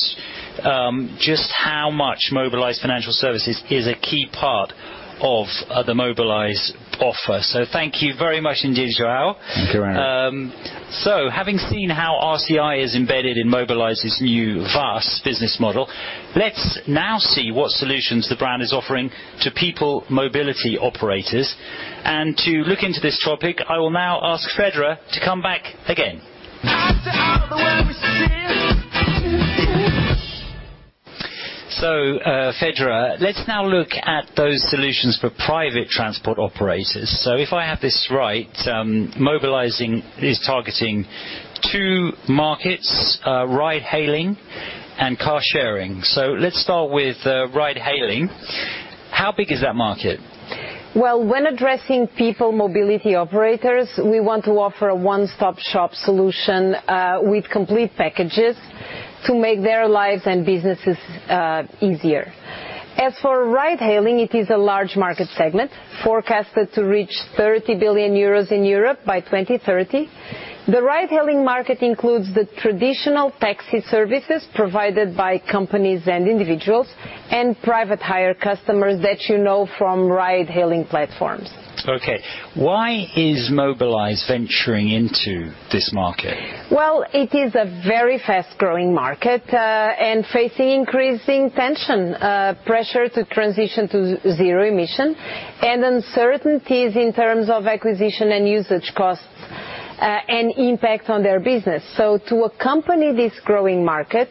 just how much Mobilize Financial Services is a key part of the Mobilize offer. Thank you very much indeed, João. Thank you, Henry. Having seen how RCI is embedded in Mobilize's new vast business model, let's now see what solutions the brand is offering to people mobility operators. To look into this topic, I will now ask Fedra to come back again. Fedra, let's now look at those solutions for private transport operators. If I have this right, Mobilize is targeting two markets, ride hailing and car sharing. Let's start with ride hailing. How big is that market? Well, when addressing people mobility operators, we want to offer a one-stop shop solution, with complete packages to make their lives and businesses, easier. As for ride-hailing, it is a large market segment forecasted to reach 30 billion euros in Europe by 2030. The ride-hailing market includes the traditional taxi services provided by companies and individuals and private hire customers that you know from ride-hailing platforms. Okay. Why is Mobilize venturing into this market? Well, it is a very fast-growing market, and facing increasing tension, pressure to transition to zero-emission and uncertainties in terms of acquisition and usage costs, and impact on their business. To accompany this growing market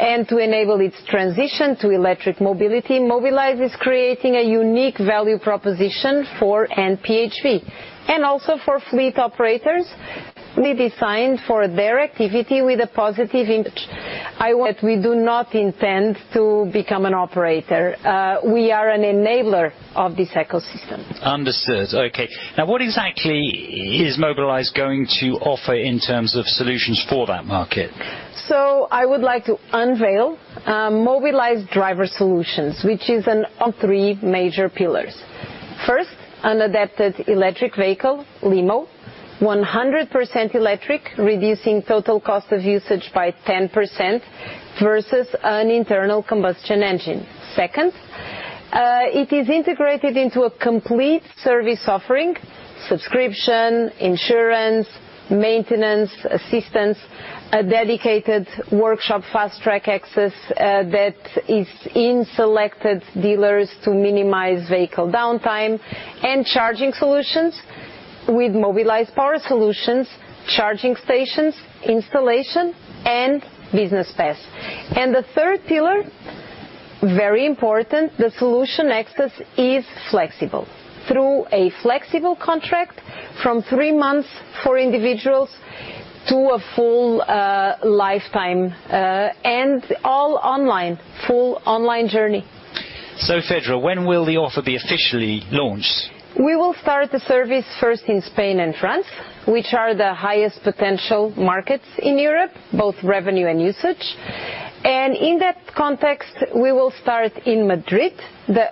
and to enable its transition to electric mobility, Mobilize is creating a unique value proposition for PHV and also for fleet operators we designed for their activity with a positive image. That we do not intend to become an operator. We are an enabler of this ecosystem. Understood. Okay. Now, what exactly is Mobilize going to offer in terms of solutions for that market? I would like to unveil Mobilize Driver Solutions, which is one of three major pillars. First, an adapted electric vehicle, Limo, 100% electric, reducing total cost of usage by 10% versus an internal combustion engine. Second, it is integrated into a complete service offering, subscription, insurance, maintenance, assistance, a dedicated workshop, fast-track access that is in selected dealers to minimize vehicle downtime and charging solutions with Mobilize Power Solutions, charging stations, installation and Charge Pass. The third pillar, very important, the solution access is flexible through a flexible contract from three months for individuals to a full lifetime and all online, full online journey. Fedra, when will the offer be officially launched? We will start the service first in Spain and France, which are the highest potential markets in Europe, both revenue and usage. In that context, we will start in Madrid. The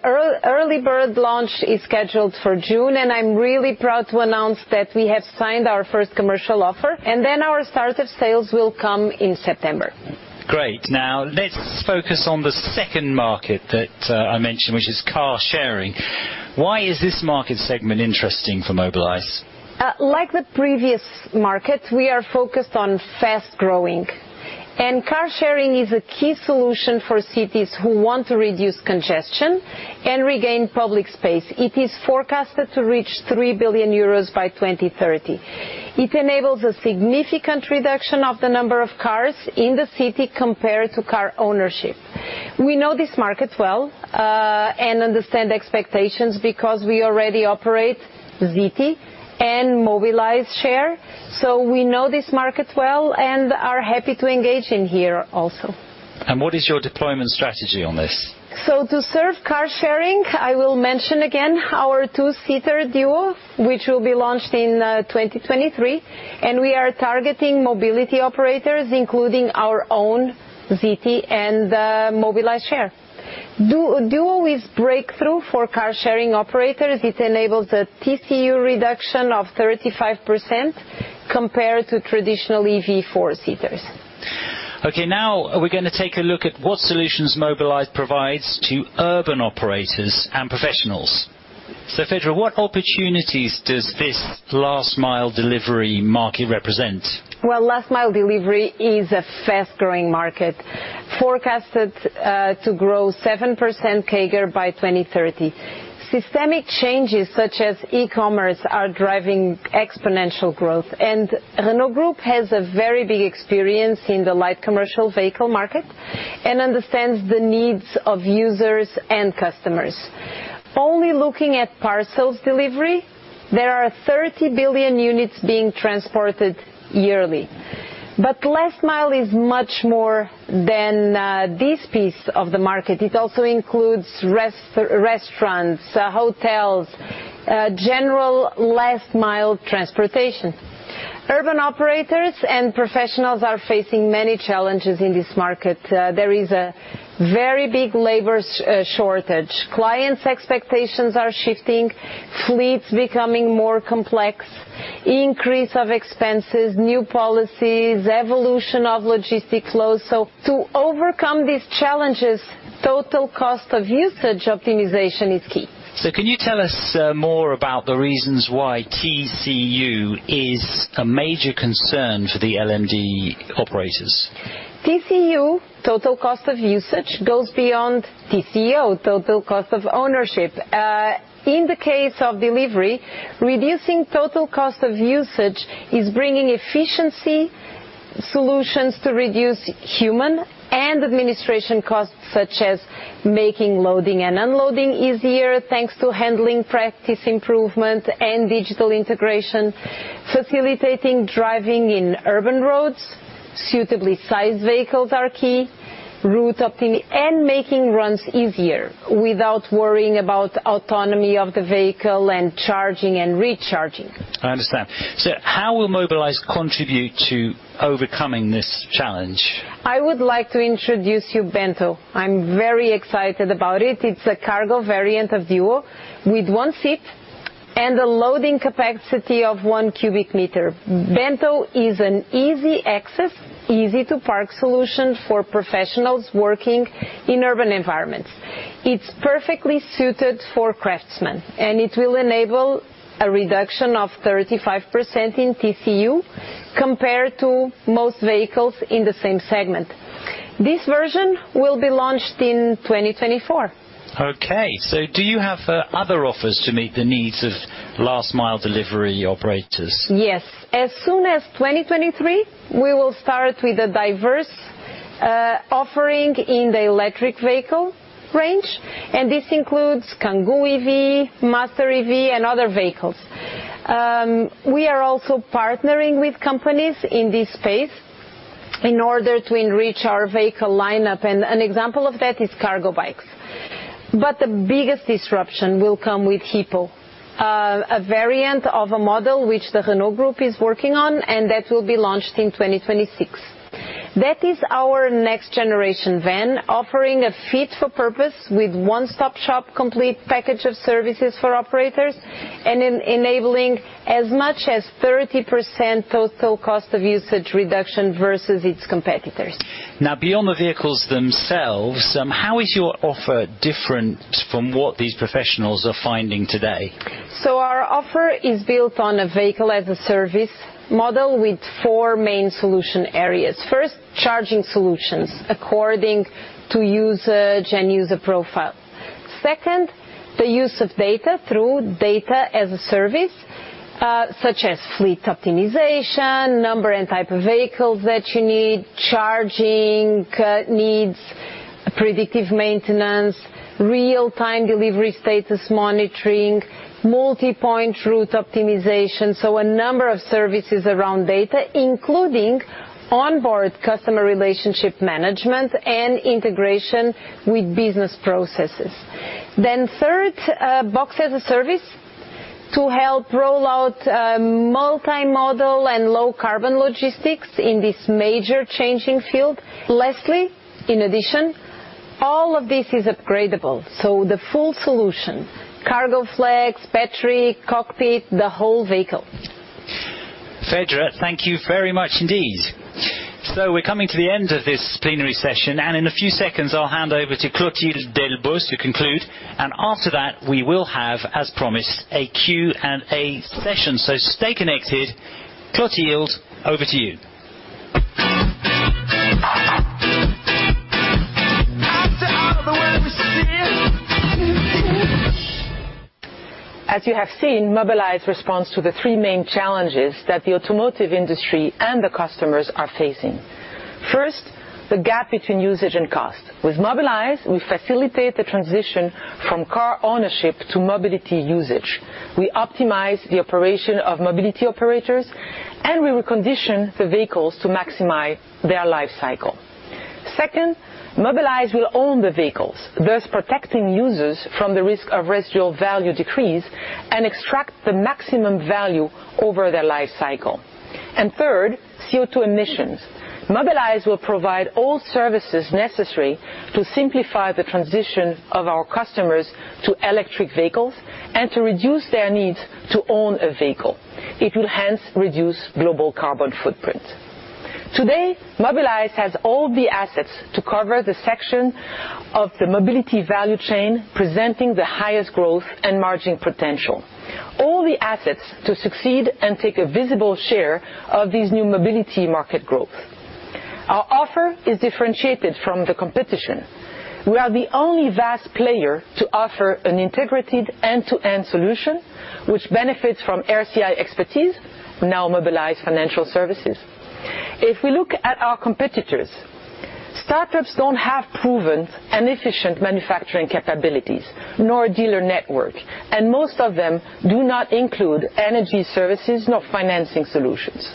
early bird launch is scheduled for June. I'm really proud to announce that we have signed our first commercial offer, and then our start of sales will come in September. Great. Now let's focus on the second market that I mentioned, which is car sharing. Why is this market segment interesting for Mobilize? Like the previous market, we are focused on fast-growing. Car sharing is a key solution for cities who want to reduce congestion and regain public space. It is forecasted to reach 3 billion euros by 2030. It enables a significant reduction of the number of cars in the city compared to car ownership. We know this market well and understand the expectations because we already operate Zity and Mobilize Share. We know this market well and are happy to engage in here also. What is your deployment strategy on this? To serve car sharing, I will mention again our two-seater Duo, which will be launched in 2023. We are targeting mobility operators, including our own Zity and Mobilize Share. Duo is breakthrough for car sharing operators. It enables a TCU reduction of 35% compared to traditional EV four-seaters. Okay. Now we're gonna take a look at what solutions Mobilize provides to urban operators and professionals. Fedra, what opportunities does this last-mile delivery market represent? Well, last-mile delivery is a fast-growing market, forecasted to grow 7% CAGR by 2030. Systemic changes such as e-commerce are driving exponential growth. Renault Group has a very big experience in the light commercial vehicle market and understands the needs of users and customers. Only looking at parcels delivery, there are 30 billion units being transported yearly. Last mile is much more than this piece of the market. It also includes restaurants, hotels, general last-mile transportation. Urban operators and professionals are facing many challenges in this market. There is a very big labor shortage. Clients' expectations are shifting, fleets becoming more complex, increase of expenses, new policies, evolution of logistic loads. To overcome these challenges, total cost of usage optimization is key. Can you tell us more about the reasons why TCU is a major concern for the LMD operators? TCU, total cost of usage, goes beyond TCO, total cost of ownership. In the case of delivery, reducing total cost of usage is bringing efficiency solutions to reduce human and administration costs, such as making loading and unloading easier, thanks to handling practice improvement and digital integration, facilitating driving in urban roads, suitably sized vehicles are key, route optimization, and making runs easier without worrying about autonomy of the vehicle and charging and recharging. I understand. How will Mobilize contribute to overcoming this challenge? I would like to introduce you to Bento. I'm very excited about it. It's a cargo variant of Duo with one seat and the loading capacity of one cubic meter. Bento is an easy access, easy-to-park solution for professionals working in urban environments. It's perfectly suited for craftsmen, and it will enable a reduction of 35% in TCU compared to most vehicles in the same segment. This version will be launched in 2024. Okay, do you have other offers to meet the needs of last mile delivery operators? Yes. As soon as 2023, we will start with a diverse offering in the electric vehicle range, and this includes Kangoo EV, Master EV, and other vehicles. We are also partnering with companies in this space in order to enrich our vehicle lineup, and an example of that is cargo bikes. The biggest disruption will come with HIPPO, a variant of a model which the Renault Group is working on, and that will be launched in 2026. That is our next generation van, offering a fit for purpose with one-stop shop complete package of services for operators and enabling as much as 30% total cost of usage reduction versus its competitors. Now, beyond the vehicles themselves, how is your offer different from what these professionals are finding today? Our offer is built on a vehicle-as-a-service model with four main solution areas. First, charging solutions according to usage and user profile. Second, the use of data through data as a service, such as fleet optimization, number and type of vehicles that you need, charging needs, predictive maintenance, real-time delivery status monitoring, multi-point route optimization. A number of services around data, including onboard customer relationship management and integration with business processes. Third, Bento as a service to help roll out, multi-modal and low-carbon logistics in this major changing field. Lastly, in addition, all of this is upgradable. The full solution, cargo flaps, battery, cockpit, the whole vehicle. Fedra, thank you very much indeed. We're coming to the end of this plenary session, and in a few seconds I'll hand over to Clotilde Delbos to conclude. After that, we will have, as promised, a Q&A session. Stay connected. Clotilde, over to you. As you have seen, Mobilize responds to the three main challenges that the automotive industry and the customers are facing. First, the gap between usage and cost. With Mobilize, we facilitate the transition from car ownership to mobility usage. We optimize the operation of mobility operators, and we recondition the vehicles to maximize their life cycle. Second, Mobilize will own the vehicles, thus protecting users from the risk of residual value decrease and extract the maximum value over their life cycle. Third, CO2 emissions. Mobilize will provide all services necessary to simplify the transition of our customers to electric vehicles and to reduce their needs to own a vehicle. It will hence reduce global carbon footprint. Today, Mobilize has all the assets to cover the section of the mobility value chain presenting the highest growth and margin potential, all the assets to succeed and take a visible share of these new mobility market growth. Our offer is differentiated from the competition. We are the only vast player to offer an integrated end-to-end solution, which benefits from RCI expertise, now Mobilize Financial Services. If we look at our competitors, startups don't have proven and efficient manufacturing capabilities nor a dealer network, and most of them do not include energy services, nor financing solutions.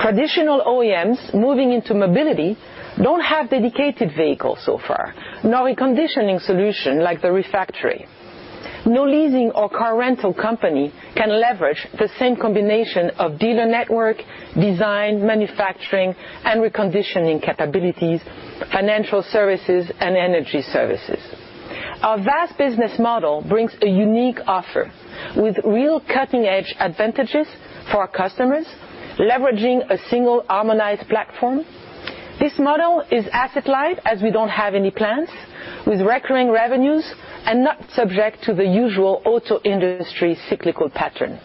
Traditional OEMs moving into mobility don't have dedicated vehicles so far, nor a reconditioning solution like the Refactory. No leasing or car rental company can leverage the same combination of dealer network, design, manufacturing, and reconditioning capabilities, financial services, and energy services. Our vast business model brings a unique offer with real cutting-edge advantages for our customers, leveraging a single harmonized platform. This model is asset light, as we don't have any plants, with recurring revenues and not subject to the usual auto industry cyclical pattern.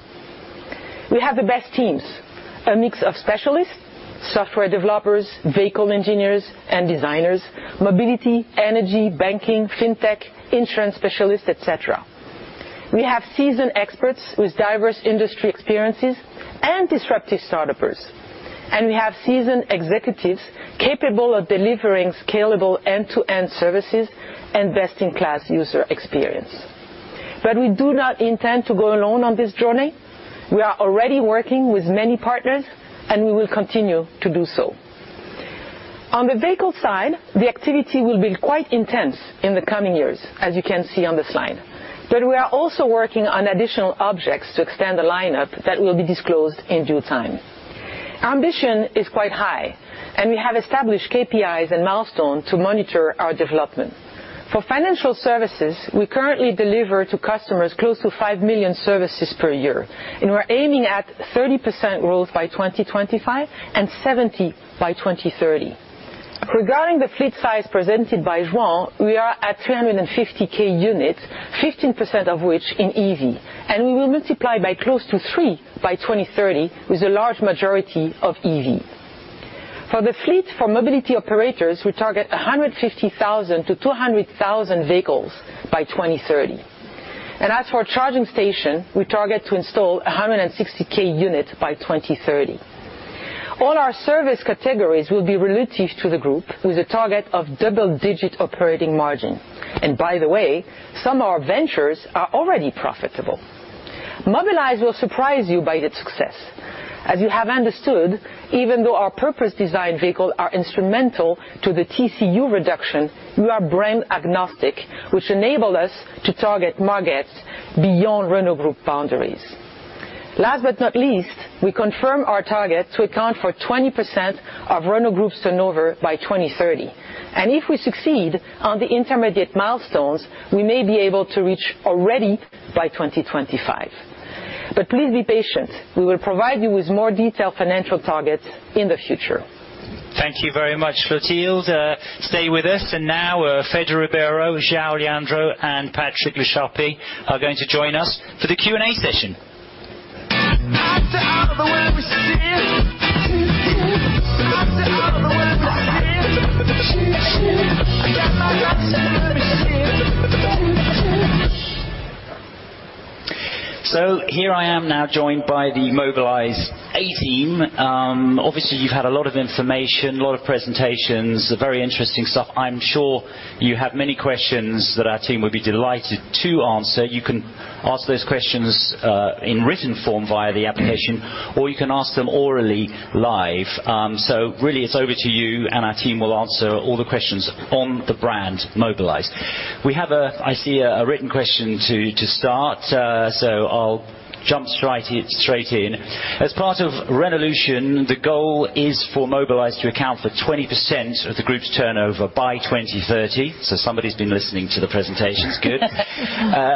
We have the best teams, a mix of specialists, software developers, vehicle engineers and designers, mobility, energy, banking, fintech, insurance specialists, et cetera. We have seasoned experts with diverse industry experiences and disruptive startupers. We have seasoned executives capable of delivering scalable end-to-end services and best-in-class user experience. We do not intend to go alone on this journey. We are already working with many partners, and we will continue to do so. On the vehicle side, the activity will be quite intense in the coming years, as you can see on this slide. We are also working on additional objects to extend the lineup that will be disclosed in due time. Our ambition is quite high, and we have established KPIs and milestones to monitor our development. For financial services, we currently deliver to customers close to 5 million services per year, and we're aiming at 30% growth by 2025 and 70% by 2030. Regarding the fleet size presented by João, we are at 350K units, 15% of which in EV. We will multiply by close to 3 by 2030, with a large majority of EV. For the fleet, for mobility operators, we target 150,000-200,000 vehicles by 2030. As for our charging station, we target to install 160K units by 2030. All our service categories will be relative to the group with a target of double-digit operating margin. By the way, some of our ventures are already profitable. Mobilize will surprise you by its success. As you have understood, even though our purpose design vehicles are instrumental to the TCU reduction, we are brand agnostic, which enable us to target markets beyond Renault Group boundaries. Last but not least, we confirm our target to account for 20% of Renault Group's turnover by 2030. If we succeed on the intermediate milestones, we may be able to reach already by 2025. Please be patient. We will provide you with more detailed financial targets in the future. Thank you very much, Clotilde. Stay with us. Now, Fedra Ribeiro, João Leandro, and Patrick Lecharpy are going to join us for the Q&A session. Here I am now joined by the Mobilize A-team. Obviously, you've had a lot of information, a lot of presentations, a very interesting stuff. I'm sure you have many questions that our team would be delighted to answer. You can ask those questions in written form via the application, or you can ask them orally live. Really it's over to you, and our team will answer all the questions on the brand Mobilize. We have a written question to start, so I'll jump straight in. As part of Renaulution, the goal is for Mobilize to account for 20% of the group's turnover by 2030. Somebody's been listening to the presentations. Good.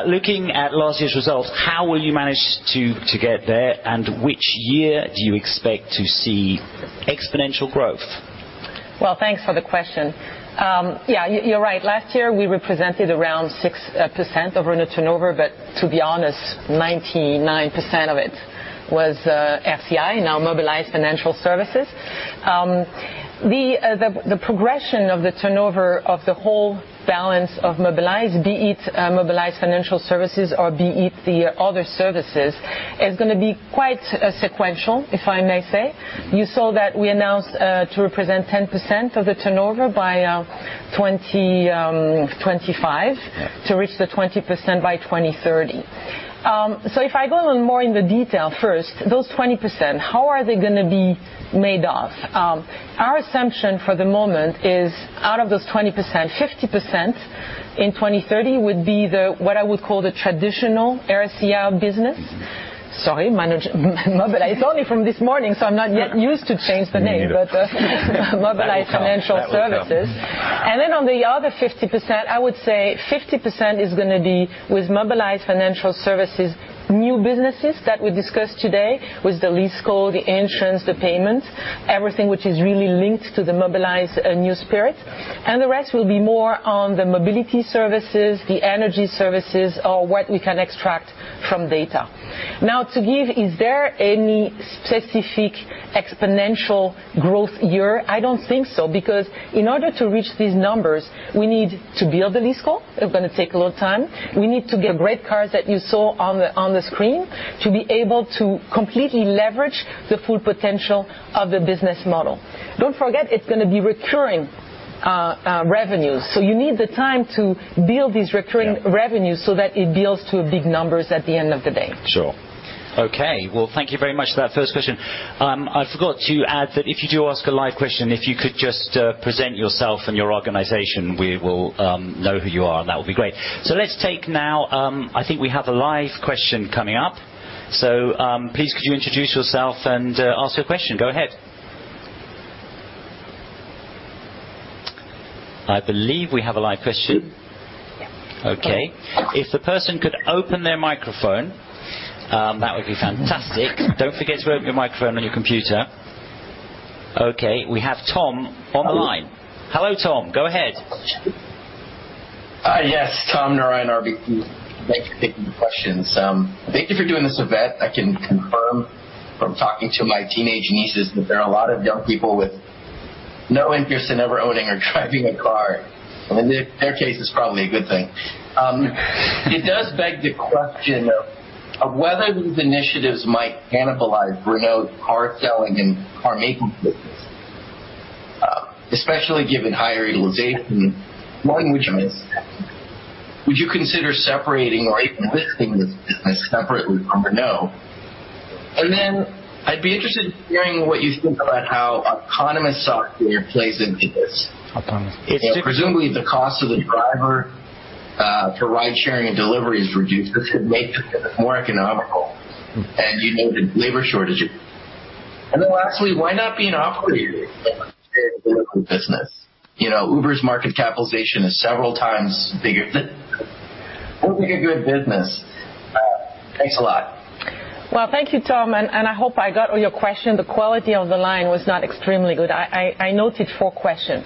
Looking at last year's results, how will you manage to get there, and which year do you expect to see exponential growth? Well, thanks for the question. Yeah, you're right. Last year, we represented around 6% of Renault turnover, but to be honest, 99% of it was RCI, now Mobilize Financial Services. The progression of the turnover of the whole balance of Mobilize, be it Mobilize Financial Services or be it the other services, is gonna be quite sequential, if I may say. You saw that we announced to represent 10% of the turnover by 2025. Yeah. To reach the 20% by 2030. If I go a little more in the detail first, those 20%, how are they gonna be made of? Our assumption for the moment is, out of those 20%, 50% in 2030 would be the, what I would call the traditional RCI business. Sorry, Mobilize. It's only from this morning, so I'm not yet used to change the name. Me either. Mobilize Financial Services. That was tough. On the other 50%, I would say 50% is gonna be with Mobilize Financial Services new businesses that we discussed today with the lease call, the insurance, the payments, everything which is really linked to the Mobilize new spirit, and the rest will be more on the mobility services, the energy services, or what we can extract from data. Now, to give, is there any specific exponential growth year? I don't think so, because in order to reach these numbers, we need to build the lease call. It's gonna take a little time. We need to get great cars that you saw on the screen to be able to completely leverage the full potential of the business model. Don't forget, it's gonna be recurring revenues. You need the time to build these recurring- Yeah. Revenues so that it builds to big numbers at the end of the day. Sure. Okay. Well, thank you very much for that first question. I forgot to add that if you do ask a live question, if you could just present yourself and your organization, we will know who you are, and that would be great. Let's take now, I think we have a live question coming up. Please could you introduce yourself and ask your question? Go ahead. I believe we have a live question. Yeah. Okay. If the person could open their microphone, that would be fantastic. Don't forget to open your microphone on your computer. Okay, we have Tom on the line. Hello. Hello, Tom. Go ahead. Yes. Tom Narayan, RBC. Thanks for taking the questions. Thank you for doing this event. I can confirm from talking to my teenage nieces that there are a lot of young people with no interest in ever owning or driving a car. I mean, their case, it's probably a good thing. It does beg the question of whether these initiatives might cannibalize Renault car selling and car making business, especially given higher utilization. Would you consider separating or even listing this business separately from Renault? Then I'd be interested in hearing what you think about how autonomous software plays into this. autonomous. Presumably, the cost of the driver for ridesharing and delivery is reduced. This could make it more economical, and you know, the labor shortage. Then lastly, why not be an operator in the Mobilize business? You know, Uber's market capitalization is several times bigger than. It would be a good business. Thanks a lot. Well, thank you, Tom. I hope I got all your question. The quality of the line was not extremely good. I noted four questions.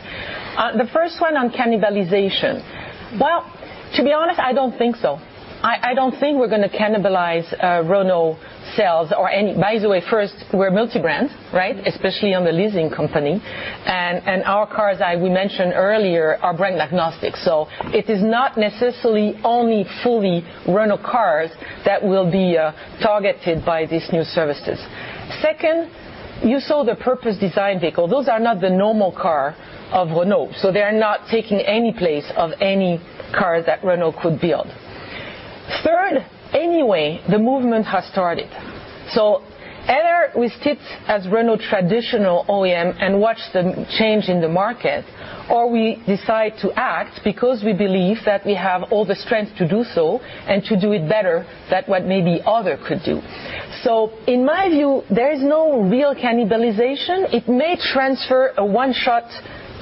The first one on cannibalization. Well, to be honest, I don't think so. I don't think we're gonna cannibalize Renault sales or any. By the way, first, we're multi-brand, right? Especially on the leasing company. Our cars, as we mentioned earlier, are brand agnostic. So it is not necessarily only fully Renault cars that will be targeted by these new services. Second, you saw the purpose-designed vehicle. Those are not the normal car of Renault, so they are not taking any place of any car that Renault could build. Third, anyway, the movement has started. Either we sit as Renault traditional OEM and watch the change in the market, or we decide to act because we believe that we have all the strength to do so and to do it better than what maybe others could do. In my view, there is no real cannibalization. It may transfer a one-shot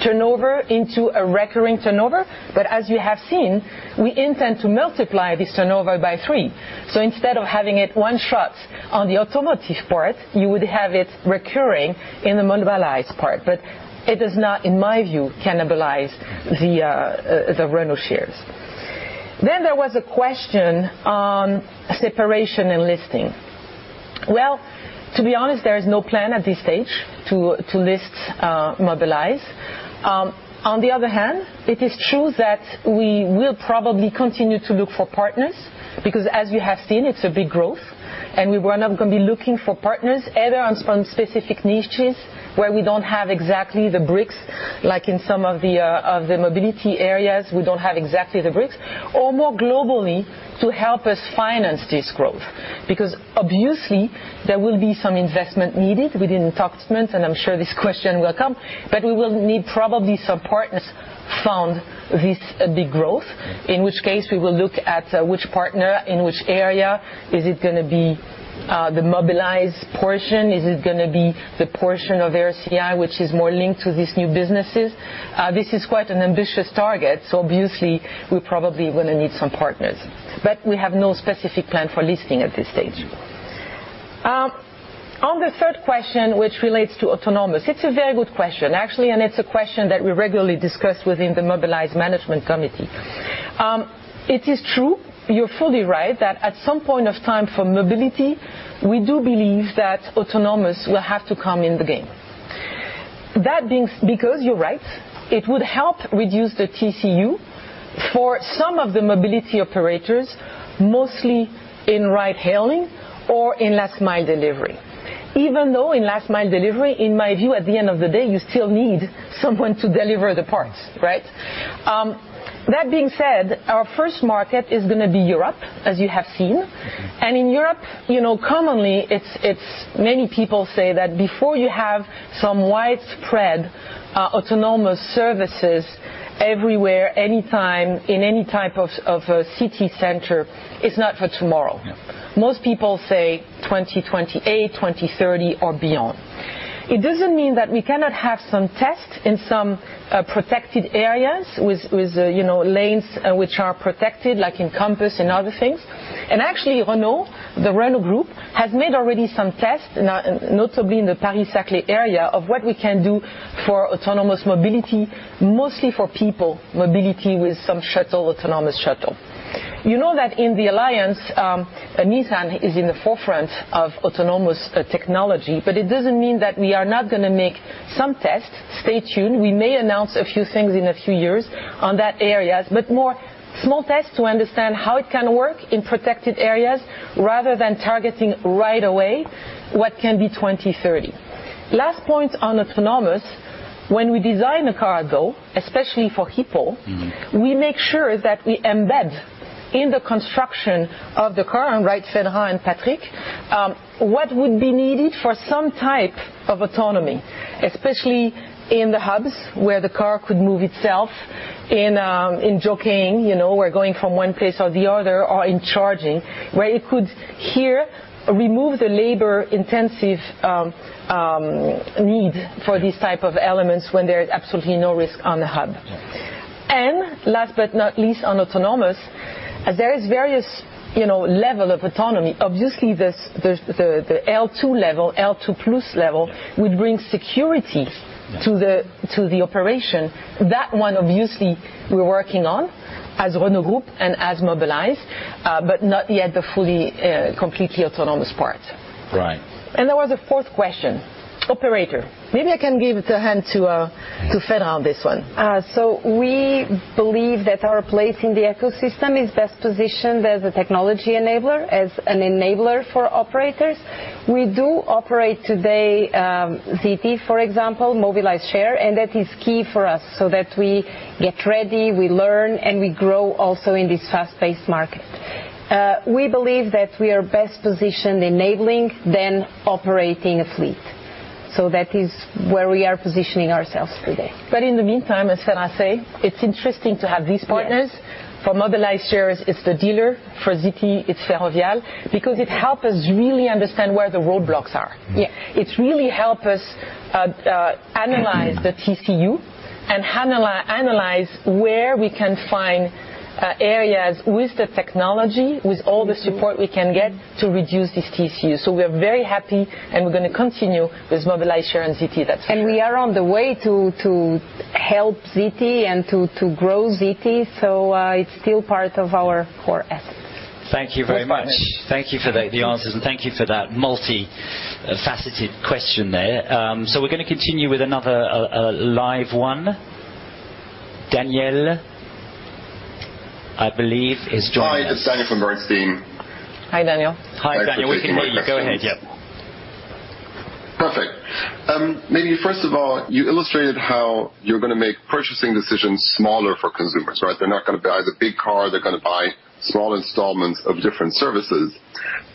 turnover into a recurring turnover, but as you have seen, we intend to multiply this turnover by three. Instead of having it one-shot on the automotive part, you would have it recurring in the Mobilize part. But it does not, in my view, cannibalize the Renault shares. There was a question on separation and listing. Well, to be honest, there is no plan at this stage to list Mobilize. On the other hand, it is true that we will probably continue to look for partners because as you have seen, it's a big growth, and we wind up gonna be looking for partners either on some specific niches where we don't have exactly the bricks, like in some of the mobility areas, or more globally to help us finance this growth. Because obviously, there will be some investment needed. We didn't talk investment, and I'm sure this question will come, but we will need probably some partners fund this big growth. In which case, we will look at which partner in which area. Is it gonna be the Mobilize portion? Is it gonna be the portion of RCI, which is more linked to these new businesses? This is quite an ambitious target, so obviously, we probably gonna need some partners. We have no specific plan for listing at this stage. On the third question, which relates to autonomous, it's a very good question, actually, and it's a question that we regularly discuss within the Mobilize management committee. It is true, you're fully right that at some point of time for mobility, we do believe that autonomous will have to come in the game. Because you're right, it would help reduce the TCO for some of the mobility operators, mostly in ride hailing or in last mile delivery. Even though in last mile delivery, in my view, at the end of the day, you still need someone to deliver the parts, right? That being said, our first market is gonna be Europe, as you have seen. In Europe, you know, commonly, it's many people say that before you have some widespread autonomous services everywhere, anytime, in any type of a city center, it's not for tomorrow. Yeah. Most people say 2028, 2030 or beyond. It doesn't mean that we cannot have some tests in some protected areas with, you know, lanes which are protected, like in campus and other things. Actually, Renault, the Renault Group, has made already some tests, notably in the Paris-Saclay area, of what we can do for autonomous mobility, mostly for people, mobility with some shuttle, autonomous shuttle. You know that in the alliance, Nissan is in the forefront of autonomous technology, but it doesn't mean that we are not gonna make some tests. Stay tuned. We may announce a few things in a few years on that areas, but more small tests to understand how it can work in protected areas rather than targeting right away what can be 2030. Last point on autonomous, when we design a car, though, especially for HIPPO. Mm-hmm. We make sure that we embed in the construction of the car, and right, Fedra and Patrick, what would be needed for some type of autonomy, especially in the hubs, where the car could move itself in jockeying, you know, or going from one place or the other or in charging, where it could, here, remove the labor-intensive need for these type of elements when there is absolutely no risk on the hub. Yeah. Last but not least on autonomous, there is various, you know, level of autonomy. Obviously, the L2 level, L2 plus level would bring security to the operation. That one, obviously, we're working on as Renault Group and as Mobilize, but not yet the fully, completely autonomous part. Right. There was a fourth question. Operator. Maybe I can give the hand to Fedra on this one. We believe that our place in the ecosystem is best positioned as a technology enabler, as an enabler for operators. We do operate today, Zity, for example, Mobilize Share, and that is key for us so that we get ready, we learn, and we grow also in this fast-paced market. We believe that we are best positioned enabling than operating a fleet. That is where we are positioning ourselves today. In the meantime, as Fedra, it's interesting to have these partners. Yes. For Mobilize Share, it's the dealer, for Zity, it's Ferrovial, because it help us really understand where the roadblocks are. Yes. It's really help us, analyze the TCO and analyze where we can find areas with the technology, with all the support we can get to reduce this TCO. We are very happy, and we're gonna continue with Mobilize Share and Zity, that's for sure. We are on the way to help Zity and to grow Zity. It's still part of our core assets. Thank you very much. Of course. Thank you for the answers, and thank you for that multi-faceted question there. We're gonna continue with another live one. Daniel, I believe, is joining us. Hi, it's Daniel from Bernstein. Hi, Daniel. Hi, Daniel. We can hear you. Go ahead. Yep. Perfect. Maybe first of all, you illustrated how you're gonna make purchasing decisions smaller for consumers, right? They're not gonna buy the big car. They're gonna buy small installments of different services.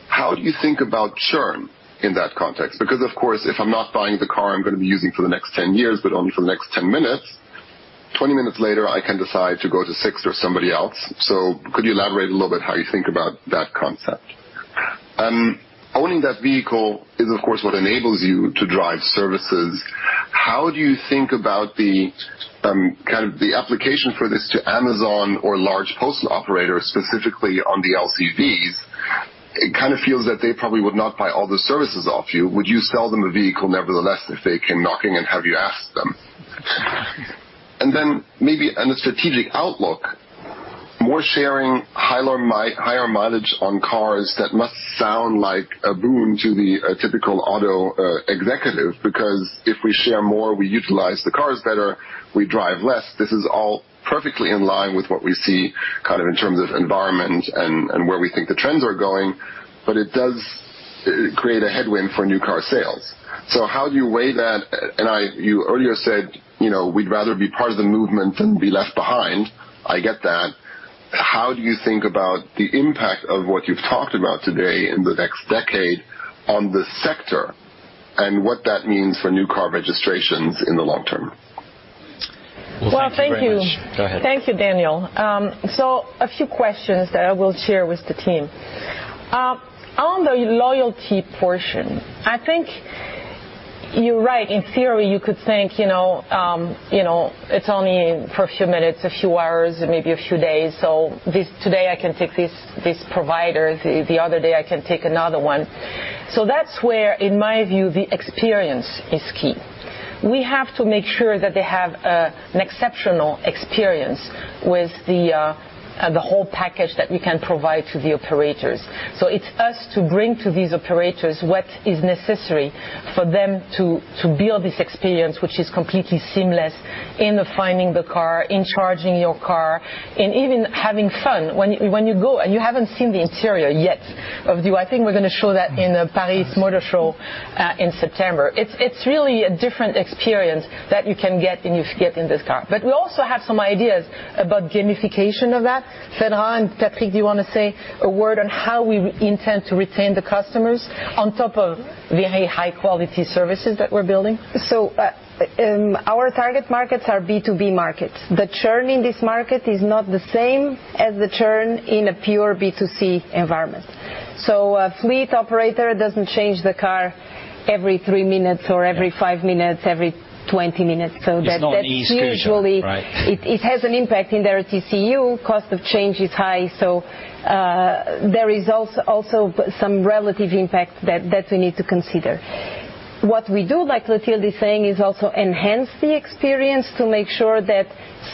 How do you think about churn in that context? Because of course, if I'm not buying the car I'm gonna be using for the next 10 years, but only for the next 10 minutes, 20 minutes later, I can decide to go to Sixt or somebody else. Could you elaborate a little bit how you think about that concept? Owning that vehicle is, of course, what enables you to drive services. How do you think about the kind of application for this to Amazon or large postal operators, specifically on the LCVs? It kinda feels that they probably would not buy all the services off you. Would you sell them a vehicle nevertheless if they came knocking and have you ask them? Then maybe on a strategic outlook, more sharing, higher mileage on cars that must sound like a boon to the typical auto executive. Because if we share more, we utilize the cars better, we drive less. This is all perfectly in line with what we see kind of in terms of environment and where we think the trends are going, but it does create a headwind for new car sales. How do you weigh that? You earlier said, you know, "We'd rather be part of the movement than be left behind." I get that. How do you think about the impact of what you've talked about today in the next decade on the sector and what that means for new car registrations in the long term? Well, thank you very much. Well, thank you. Go ahead. Thank you, Daniel. A few questions that I will share with the team. On the loyalty portion, I think you're right. In theory, you could think, you know, you know, it's only for a few minutes, a few hours, maybe a few days. Today, I can take this provider. The other day, I can take another one. That's where, in my view, the experience is key. We have to make sure that they have an exceptional experience with the whole package that we can provide to the operators. It's us to bring to these operators what is necessary for them to build this experience, which is completely seamless in the finding the car, in charging your car, in even having fun. When you go, and you haven't seen the interior yet of the I think we're gonna show that in the Paris Motor Show in September. It's really a different experience that you can get and you get in this car. We also have some ideas about gamification of that. Fedra and Patrick, do you wanna say a word on how we intend to retain the customers on top of the high quality services that we're building? Our target markets are B2B markets. The churn in this market is not the same as the churn in a pure B2C environment. A fleet operator doesn't change the car every three minutes or every- Yeah. 5 minutes, every 20 minutes. It's not an easy schedule. That's usually. Right. It has an impact in their TCU. Cost of change is high. There is also some relative impact that we need to consider. What we do, like Clotilde is saying, is also enhance the experience to make sure that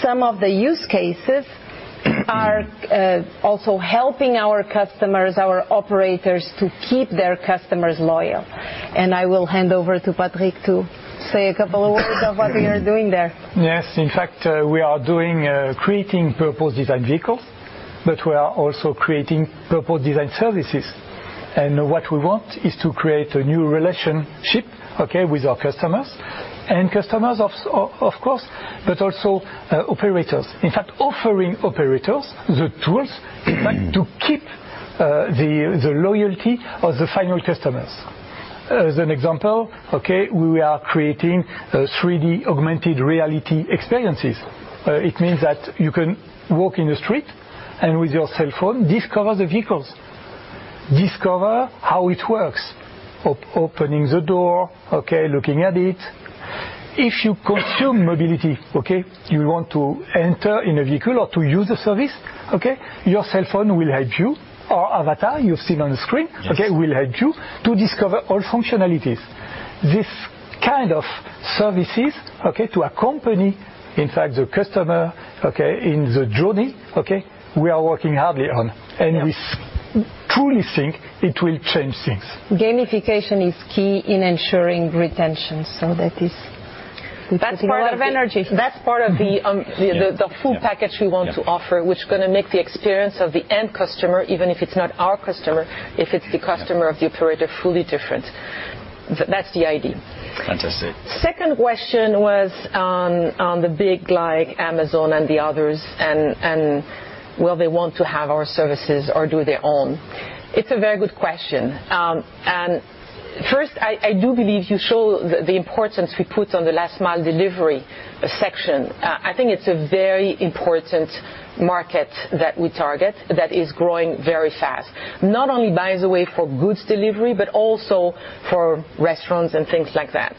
some of the use cases are also helping our customers, our operators, to keep their customers loyal. I will hand over to Patrick to say a couple of words of what we are doing there. Yes. In fact, we are doing creating purpose-designed vehicles, but we are also creating purpose-designed services. What we want is to create a new relationship, okay, with our customers. Customers of course, but also operators. In fact, offering operators the tools to keep the loyalty of the final customers. As an example, okay, we are creating 3D augmented reality experiences. It means that you can walk in the street and with your cell phone, discover the vehicles. Discover how it works. Opening the door, okay, looking at it. If you consume mobility, okay, you want to enter in a vehicle or to use a service, okay, your cell phone will help you or avatar you've seen on the screen. Yes. Okay, will help you to discover all functionalities. This kind of services to accompany, in fact, the customer in the journey we are working hard on. Yeah. We truly think it will change things. Gamification is key in ensuring retention, so that is the key. That's part of energy. Yeah. full package we want to offer. Yeah. which gonna make the experience of the end customer, even if it's not our customer, if it's the customer of the operator, fully different. That's the idea. Fantastic. Second question was on the big, like Amazon and the others, and will they want to have our services or do their own? It's a very good question. First, I do believe you show the importance we put on the last mile delivery sector. I think it's a very important market that we target that is growing very fast. Not only by the way for goods delivery, but also for restaurants and things like that.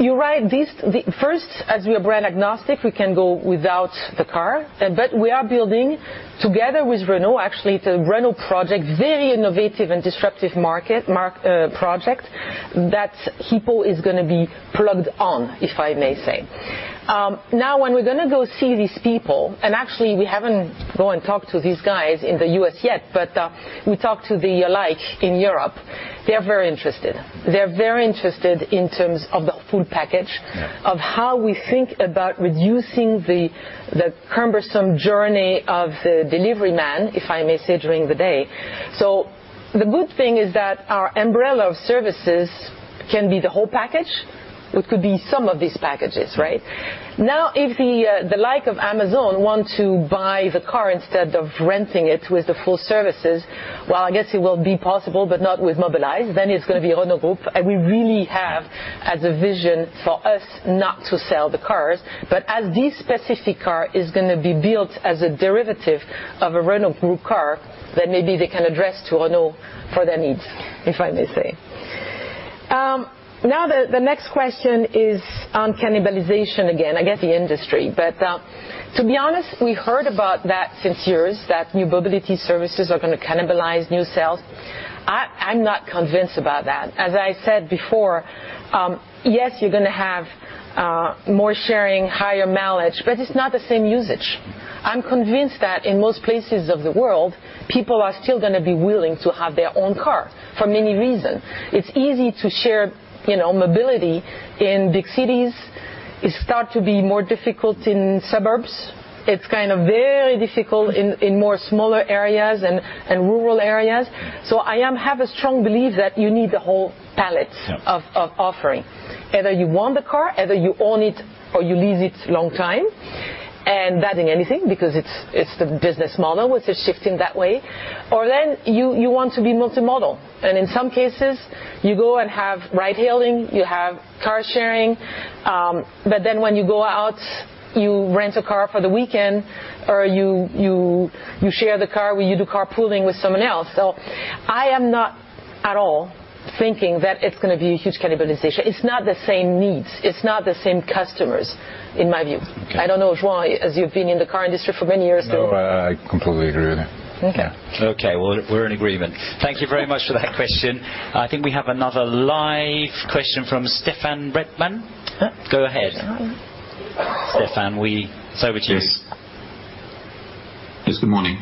You're right. First, as we are brand agnostic, we can go without the car, but we are building together with Renault. Actually it's a Renault project, very innovative and disruptive market project that HIPPO is gonna be plugged on, if I may say. Now when we're gonna go see these people, and actually we haven't go and talked to these guys in the U.S. yet, but we talked to the likes in Europe. They are very interested. They're very interested in terms of the full package. Yeah. of how we think about reducing the cumbersome journey of the delivery man, if I may say, during the day. The good thing is that our umbrella of services can be the whole package or it could be some of these packages, right? Now, if the like of Amazon want to buy the car instead of renting it with the full services, while I guess it will be possible, but not with Mobilize, then it's gonna be Renault Group, and we really have as a vision for us not to sell the cars. As this specific car is gonna be built as a derivative of a Renault Group car, then maybe they can address to Renault for their needs, if I may say. Now the next question is on cannibalization again, I guess the industry. To be honest, we heard about that since years that new mobility services are gonna cannibalize new sales. I'm not convinced about that. As I said before, yes, you're gonna have more sharing, higher mileage, but it's not the same usage. I'm convinced that in most places of the world, people are still gonna be willing to have their own car for many reason. It's easy to share, you know, mobility in big cities. It start to be more difficult in suburbs. It's kind of very difficult in more smaller areas and rural areas. I am have a strong belief that you need a whole palette- Yeah. Either you want the car, either you own it or you lease it long time, and adding anything because it's the business model, it is shifting that way. You want to be multimodal, and in some cases you go and have ride hailing, you have car sharing, but then when you go out, you rent a car for the weekend or you share the car or you do carpooling with someone else. I am not at all thinking that it's gonna be a huge cannibalization. It's not the same needs. It's not the same customers, in my view. Okay. I don't know if, João, as you've been in the car industry for many years too. No, I completely agree with you. Okay. Yeah. Okay. Well, we're in agreement. Thank you very much for that question. I think we have another live question from Stefan Bratzel. Yeah. Go ahead. Stefan. Stefan, it's over to you. Yes. Yes, good morning.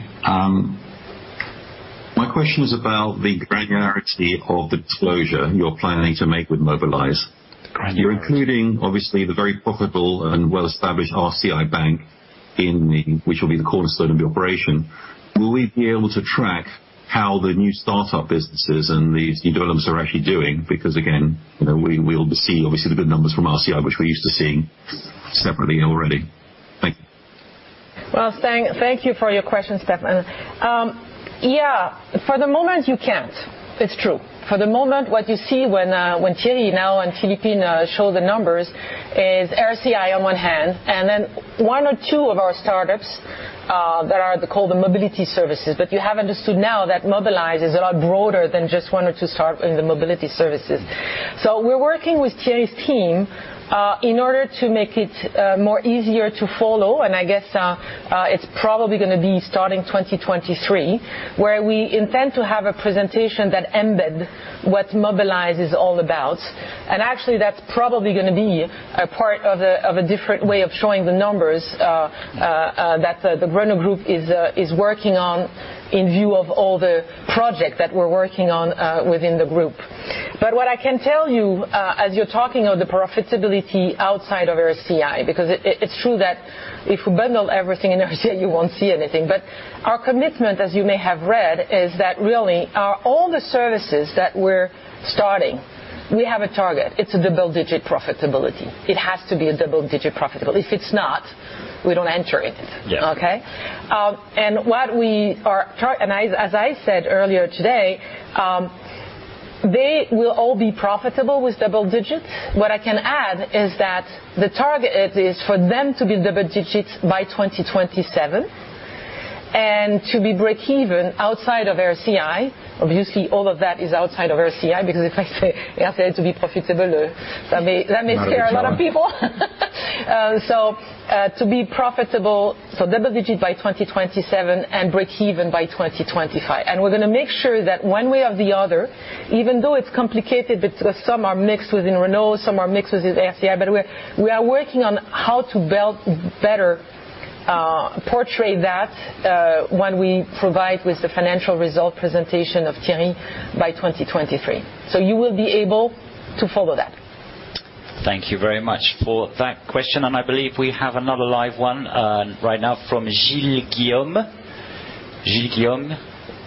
My question is about the granularity of the disclosure you're planning to make with Mobilize. Granularity. You're including, obviously, the very profitable and well-established RCI Bank in the, which will be the cornerstone of the operation. Will we be able to track how the new startup businesses and these new developments are actually doing? Because again, you know, we'll be seeing obviously the good numbers from RCI, which we're used to seeing separately already. Thank you. Thank you for your question, Stefan. For the moment, you can't. It's true. For the moment, what you see when Thierry and Philippine now show the numbers is RCI on one hand, and then one or two of our startups that are called the mobility services. You have understood now that Mobilize is a lot broader than just one or two startup in the mobility services. We're working with Thierry's team in order to make it more easier to follow, and I guess it's probably gonna be starting 2023, where we intend to have a presentation that embed what Mobilize is all about. Actually that's probably gonna be a part of a different way of showing the numbers that the Renault Group is working on in view of all the project that we're working on within the group. What I can tell you, as you're talking of the profitability outside of RCI, because it's true that if we bundle everything in RCI, you won't see anything. Our commitment, as you may have read, is that really our all the services that we're starting, we have a target. It's a double-digit profitability. It has to be a double-digit profitability. If it's not, we don't enter it. Yeah. As I said earlier today, they will all be profitable with double digits. What I can add is that the target is for them to be double digits by 2027, and to be breakeven outside of RCI. Obviously, all of that is outside of RCI because if I say RCI to be profitable, that may scare. Not easy. a lot of people. To be profitable, double-digit by 2027 and breakeven by 2025. We're gonna make sure that one way or the other, even though it's complicated because some are mixed within Renault, some are mixed with RCI, but we are working on how to build better portrayal of that, when we provide with the financial results presentation of Thierry by 2023. You will be able to follow that. Thank you very much for that question, and I believe we have another live one right now from Gilles Guillaume. Gilles Guillaume,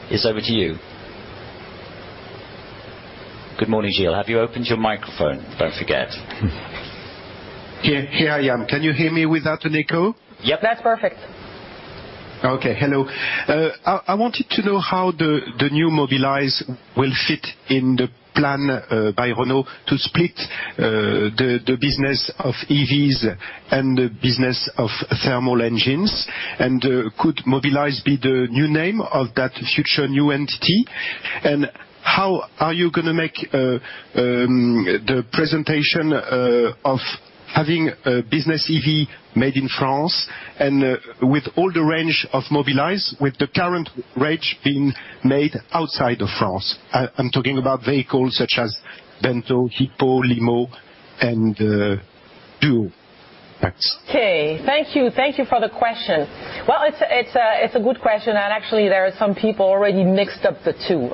it's over to you. Good morning, Gilles. Have you opened your microphone? Don't forget. Here I am. Can you hear me without an echo? Yep. That's perfect. Okay, hello. I wanted to know how the new Mobilize will fit in the plan by Renault to split the business of EVs and the business of thermal engines. Could Mobilize be the new name of that future new entity? How are you gonna make the presentation of having a business EV made in France and with all the range of Mobilize with the current range being made outside of France? I'm talking about vehicles such as Bento, HIPPO, Limo, and Duo. Thanks. Okay. Thank you. Thank you for the question. Well, it's a good question, and actually there are some people already mixed up the two.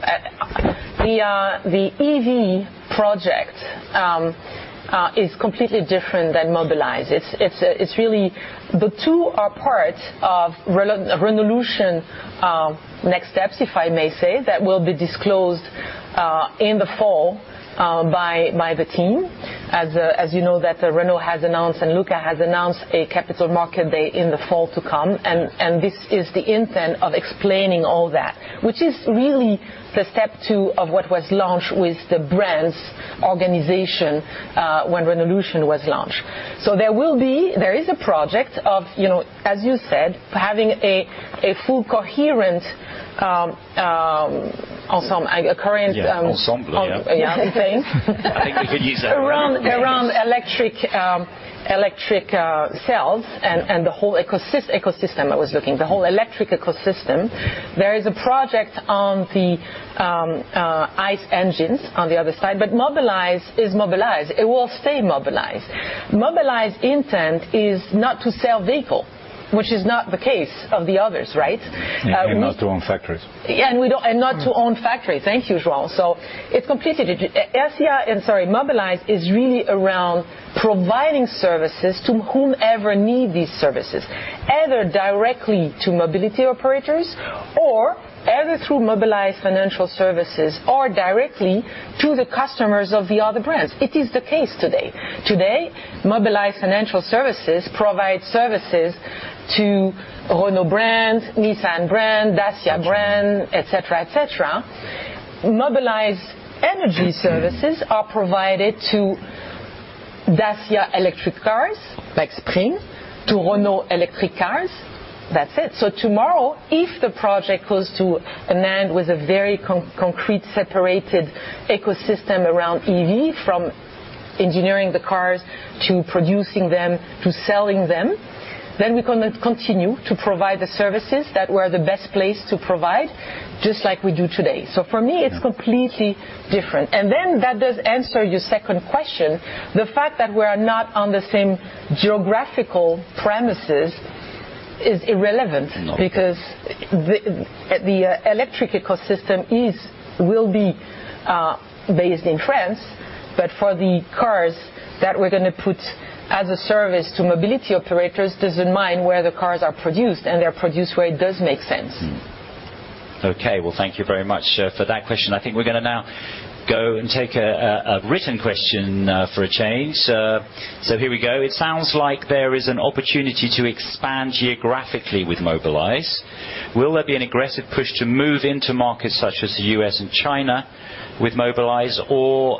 The EV project is completely different than Mobilize. It's really. The two are part of Renaulution next steps, if I may say, that will be disclosed in the fall by the team. As you know, that Renault has announced and Luca has announced a capital market day in the fall to come, and this is the intent of explaining all that, which is really the step two of what was launched with the brand's organization when Renaulution was launched. There will be. There is a project of, you know, as you said, having a full coherent ensemble, a coherent. Yeah, ensemble, yeah. Yeah, the same. I think we could use that word. Around electric cells and the whole ecosystem, I was looking. The whole electric ecosystem. There is a project on the ICE engines on the other side. Mobilize is Mobilize. It will stay Mobilize. Mobilize intent is not to sell vehicle, which is not the case of the others, right? Not to own factories. Yeah, we don't own factories. Thank you, João. It's completely different. Ex-RCI, I'm sorry, Mobilize is really around providing services to whomever need these services, either directly to mobility operators or either through Mobilize Financial Services or directly to the customers of the other brands. It is the case today. Today, Mobilize Financial Services provide services to Renault brand, Nissan brand, Dacia brand, et cetera, et cetera. Mobilize Energy Services are provided to Dacia electric cars, like Spring, to Renault electric cars. That's it. Tomorrow, if the project goes to an end with a very concrete separated ecosystem around EV, from engineering the cars to producing them, to selling them, then we're gonna continue to provide the services that we're the best placed to provide, just like we do today. For me, it's completely different. That does answer your second question. The fact that we are not on the same geographical premises is irrelevant. No because the electric ecosystem will be based in France, but for the cars that we're gonna put as a service to mobility operators doesn't mind where the cars are produced, and they're produced where it does make sense. Mm-hmm. Okay, well, thank you very much for that question. I think we're gonna now go and take a written question for a change. Here we go. It sounds like there is an opportunity to expand geographically with Mobilize. Will there be an aggressive push to move into markets such as the U.S. and China with Mobilize? Or,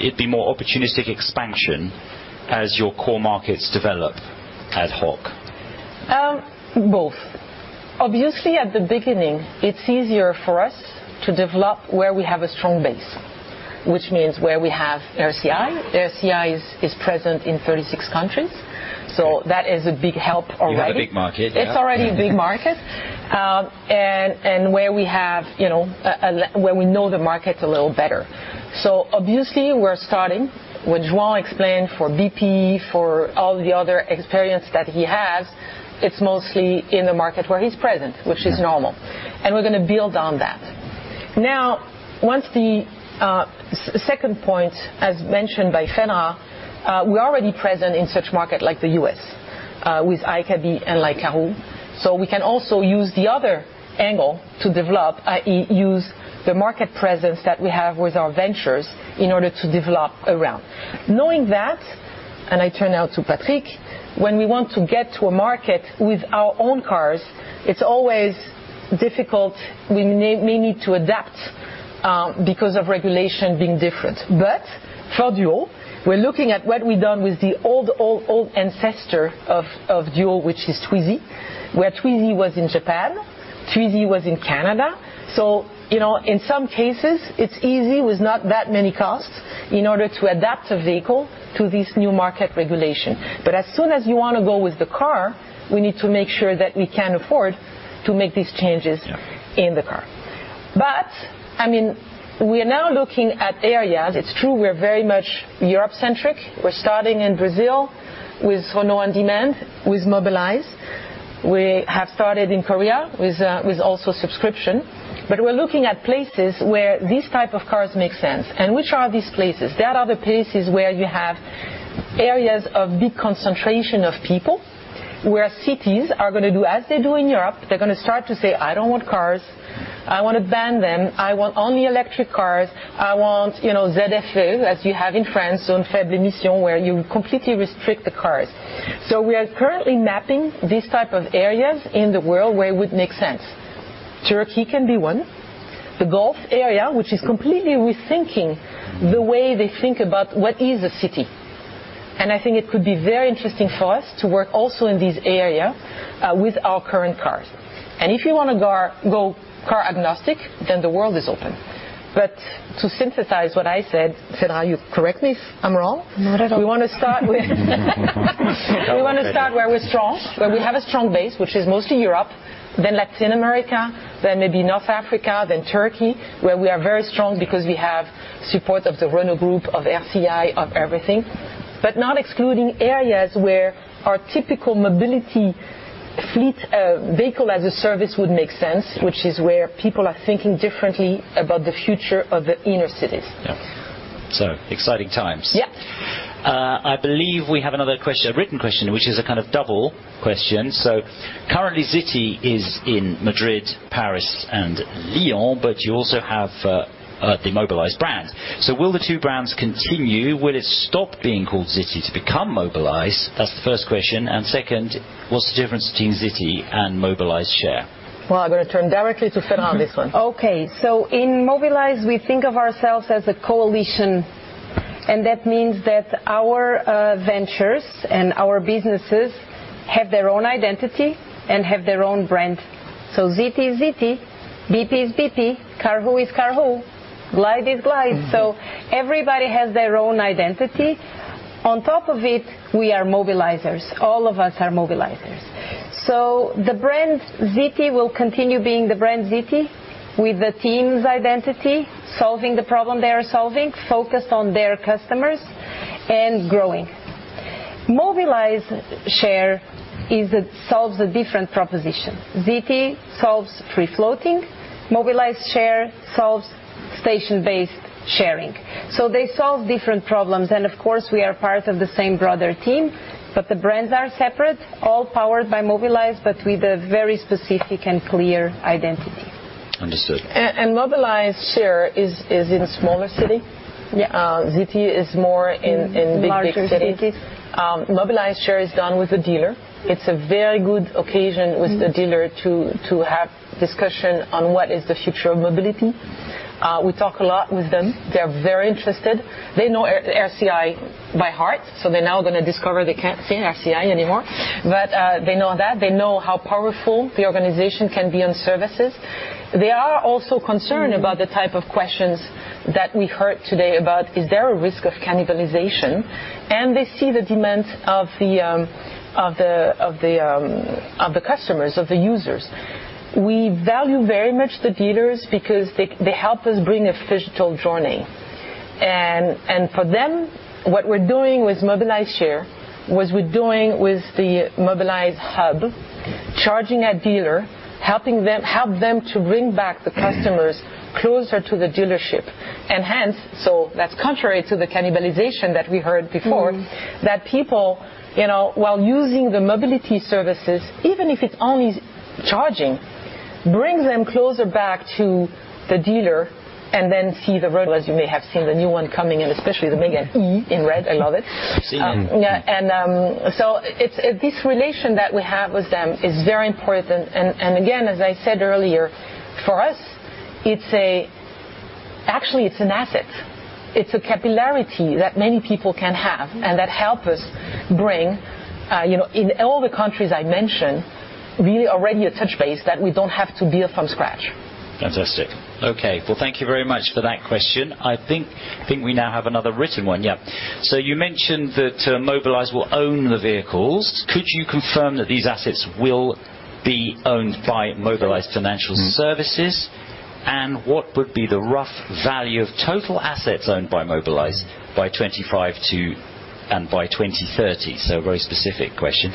it be more opportunistic expansion as your core markets develop ad hoc? Both. Obviously, at the beginning, it's easier for us to develop where we have a strong base, which means where we have RCI. RCI is present in 36 countries, so that is a big help already. You have a big market, yeah. It's already a big market. Where we have, you know, where we know the market a little better. Obviously, we're starting. What João explained for Bipi, for all the other experience that he has, it's mostly in the market where he's present, which is normal. Yeah. We're gonna build on that. Now, once the second point, as mentioned by Fedra, we're already present in such market like the U.S., with iCabbi and like Karhoo. We can also use the other angle to develop, i.e., use the market presence that we have with our ventures in order to develop around. Knowing that, I turn now to Patrick. When we want to get to a market with our own cars, it's always difficult. We may need to adapt because of regulation being different. For Duo, we're looking at what we've done with the old ancestor of Duo, which is Twizy, where Twizy was in Japan, Twizy was in Canada. You know, in some cases, it's easy with not that many costs in order to adapt a vehicle to this new market regulation. As soon as you wanna go with the car, we need to make sure that we can afford to make these changes in the car. I mean, we are now looking at areas. It's true we are very much Europe-centric. We're starting in Brazil with Renault On Demand, with Mobilize. We have started in Korea with with also subscription. We're looking at places where these type of cars make sense. Which are these places? There are the places where you have areas of big concentration of people, where cities are gonna do as they do in Europe, they're gonna start to say, "I don't want cars. I wanna ban them. I want only electric cars. I want, you know, ZFE," as you have in France, zones à faibles émissions, where you completely restrict the cars. We are currently mapping these type of areas in the world where it would make sense. Turkey can be one. The Gulf area, which is completely rethinking the way they think about what is a city. I think it could be very interesting for us to work also in these area, with our current cars. If you wanna go car-agnostic, then the world is open. To synthesize what I said, Fedra, you correct me if I'm wrong. Not at all. We wanna start where we're strong. Uh-huh. Where we have a strong base, which is mostly Europe, then Latin America, then maybe North Africa, then Turkey, where we are very strong because we have support of the Renault Group, of RCI, of everything. Not excluding areas where our typical mobility fleet, vehicle as a service would make sense. Yeah. which is where people are thinking differently about the future of the inner cities. Yeah. Exciting times. Yeah. I believe we have another question, a written question, which is a kind of double question. Currently Zity is in Madrid, Paris, and Lyon, but you also have the Mobilize brand. Will the two brands continue? Will it stop being called Zity to become Mobilize? That's the first question. Second, what's the difference between Zity and Mobilize Share? Well, I'm gonna turn directly to Fedra on this one. Okay. In Mobilize, we think of ourselves as a coalition, and that means that our ventures and our businesses have their own identity and have their own brand. Zity is Zity, Bipi is Bipi, Karhoo is Karhoo, glide.io is glide.io. Mm-hmm. Everybody has their own identity. On top of it, we are Mobilizers. All of us are Mobilizers. The brand Zity will continue being the brand Zity, with the team's identity, solving the problem they are solving, focused on their customers and growing. Mobilize Share solves a different proposition. Zity solves free-floating. Mobilize Share solves station-based sharing. They solve different problems, and of course, we are part of the same broader team, but the brands are separate, all powered by Mobilize, but with a very specific and clear identity. Understood. Mobilize Share is in smaller city. Yeah. Zity is more in big cities. Larger cities. Mobilize Share is done with the dealer. It's a very good occasion. Mm-hmm. the dealer to have discussion on what is the future of mobility. We talk a lot with them. Mm-hmm. They're very interested. They know RCI by heart, so they're now gonna discover they can't see RCI anymore. They know that. They know how powerful the organization can be on services. They are also concerned. Mm-hmm. about the type of questions that we heard today about, is there a risk of cannibalization? They see the demand of the customers, of the users. We value very much the dealers because they help us bring a digital journey. For them, what we're doing with Mobilize Share, what we're doing with the Mobilize hub, charging a dealer, helping them to bring back the customers closer to the dealership, and hence, so that's contrary to the cannibalization that we heard before. Mm-hmm. That people, you know, while using the mobility services, even if it's only charging, brings them closer back to the dealer and then see the road, as you may have seen the new one coming in, especially the Megane E in red. I love it. I've seen. It's this relation that we have with them is very important, and again, as I said earlier, for us, actually, it's an asset. It's a capillarity that many people can have. Mm-hmm. that helps us bring, you know, in all the countries I mentioned, we already have touched base that we don't have to build from scratch. Fantastic. Okay. Well, thank you very much for that question. I think we now have another written one. Yeah. You mentioned that Mobilize will own the vehicles. Could you confirm that these assets will be owned by Mobilize Financial Services? Mm-hmm. What would be the rough value of total assets owned by Mobilize by 2025 and by 2030? So a very specific question.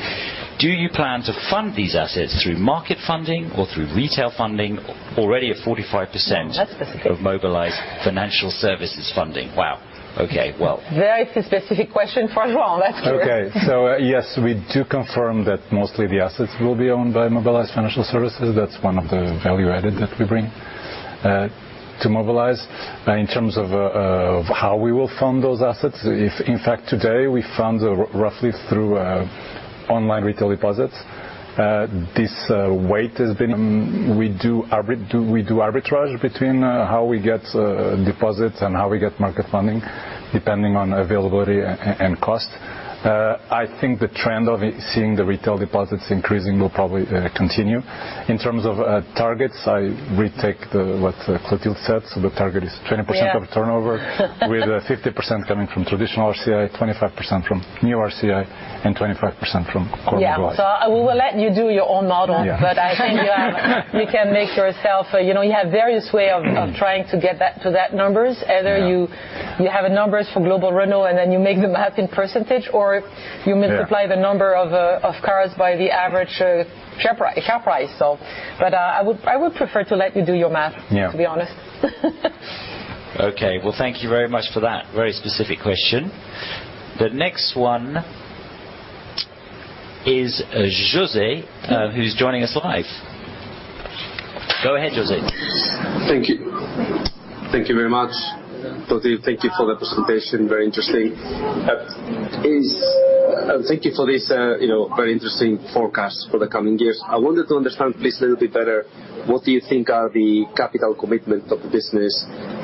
Do you plan to fund these assets through market funding or through retail funding already at 45%? Oh, that's specific. of Mobilize Financial Services funding? Wow. Okay, well. Very specific question for Jean, that's true. Yes, we do confirm that mostly the assets will be owned by Mobilize Financial Services. That's one of the value added that we bring to Mobilize. In terms of how we will fund those assets, in fact, today, we fund roughly through online retail deposits. This way has been, we do arbitrage between how we get deposits and how we get market funding, depending on availability and cost. I think the trend of it, seeing the retail deposits increasing will probably continue. In terms of targets, I repeat what Clotilde said, the target is 20%. Yeah. of turnover, with 50% coming from traditional RCI, 25% from new RCI, and 25% from corporate Mobilize. We will let you do your own model. Yeah. I think you can make yourself, you know, you have various ways of- Mm-hmm. of trying to get that to those numbers. Yeah. Either you have numbers for global Renault, and then you make the math in percentage, or you multiply. Yeah. I would prefer to let you do your math. Yeah. To be honest. Okay. Well, thank you very much for that very specific question. The next one is, José, who's joining us live. Go ahead, José. Thank you. Thank you very much. Clotilde, thank you for the presentation. Very interesting. Thank you for this, you know, very interesting forecast for the coming years. I wanted to understand, please, a little bit better, what do you think are the capital commitment of the business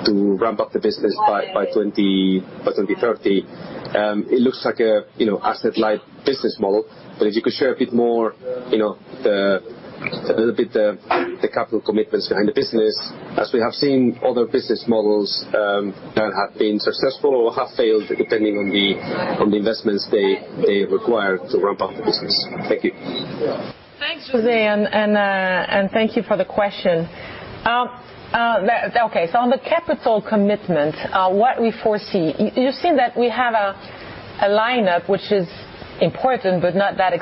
to ramp up the business by 2030. It looks like a, you know, asset-light business model. But if you could share a bit more, you know, a little bit the capital commitments behind the business as we have seen other business models, that have been successful or have failed depending on the, on the investments they require to ramp up the business. Thank you. Thanks, Jose, thank you for the question. Okay, on the capital commitment, what we foresee. You've seen that we have a lineup which is important but not that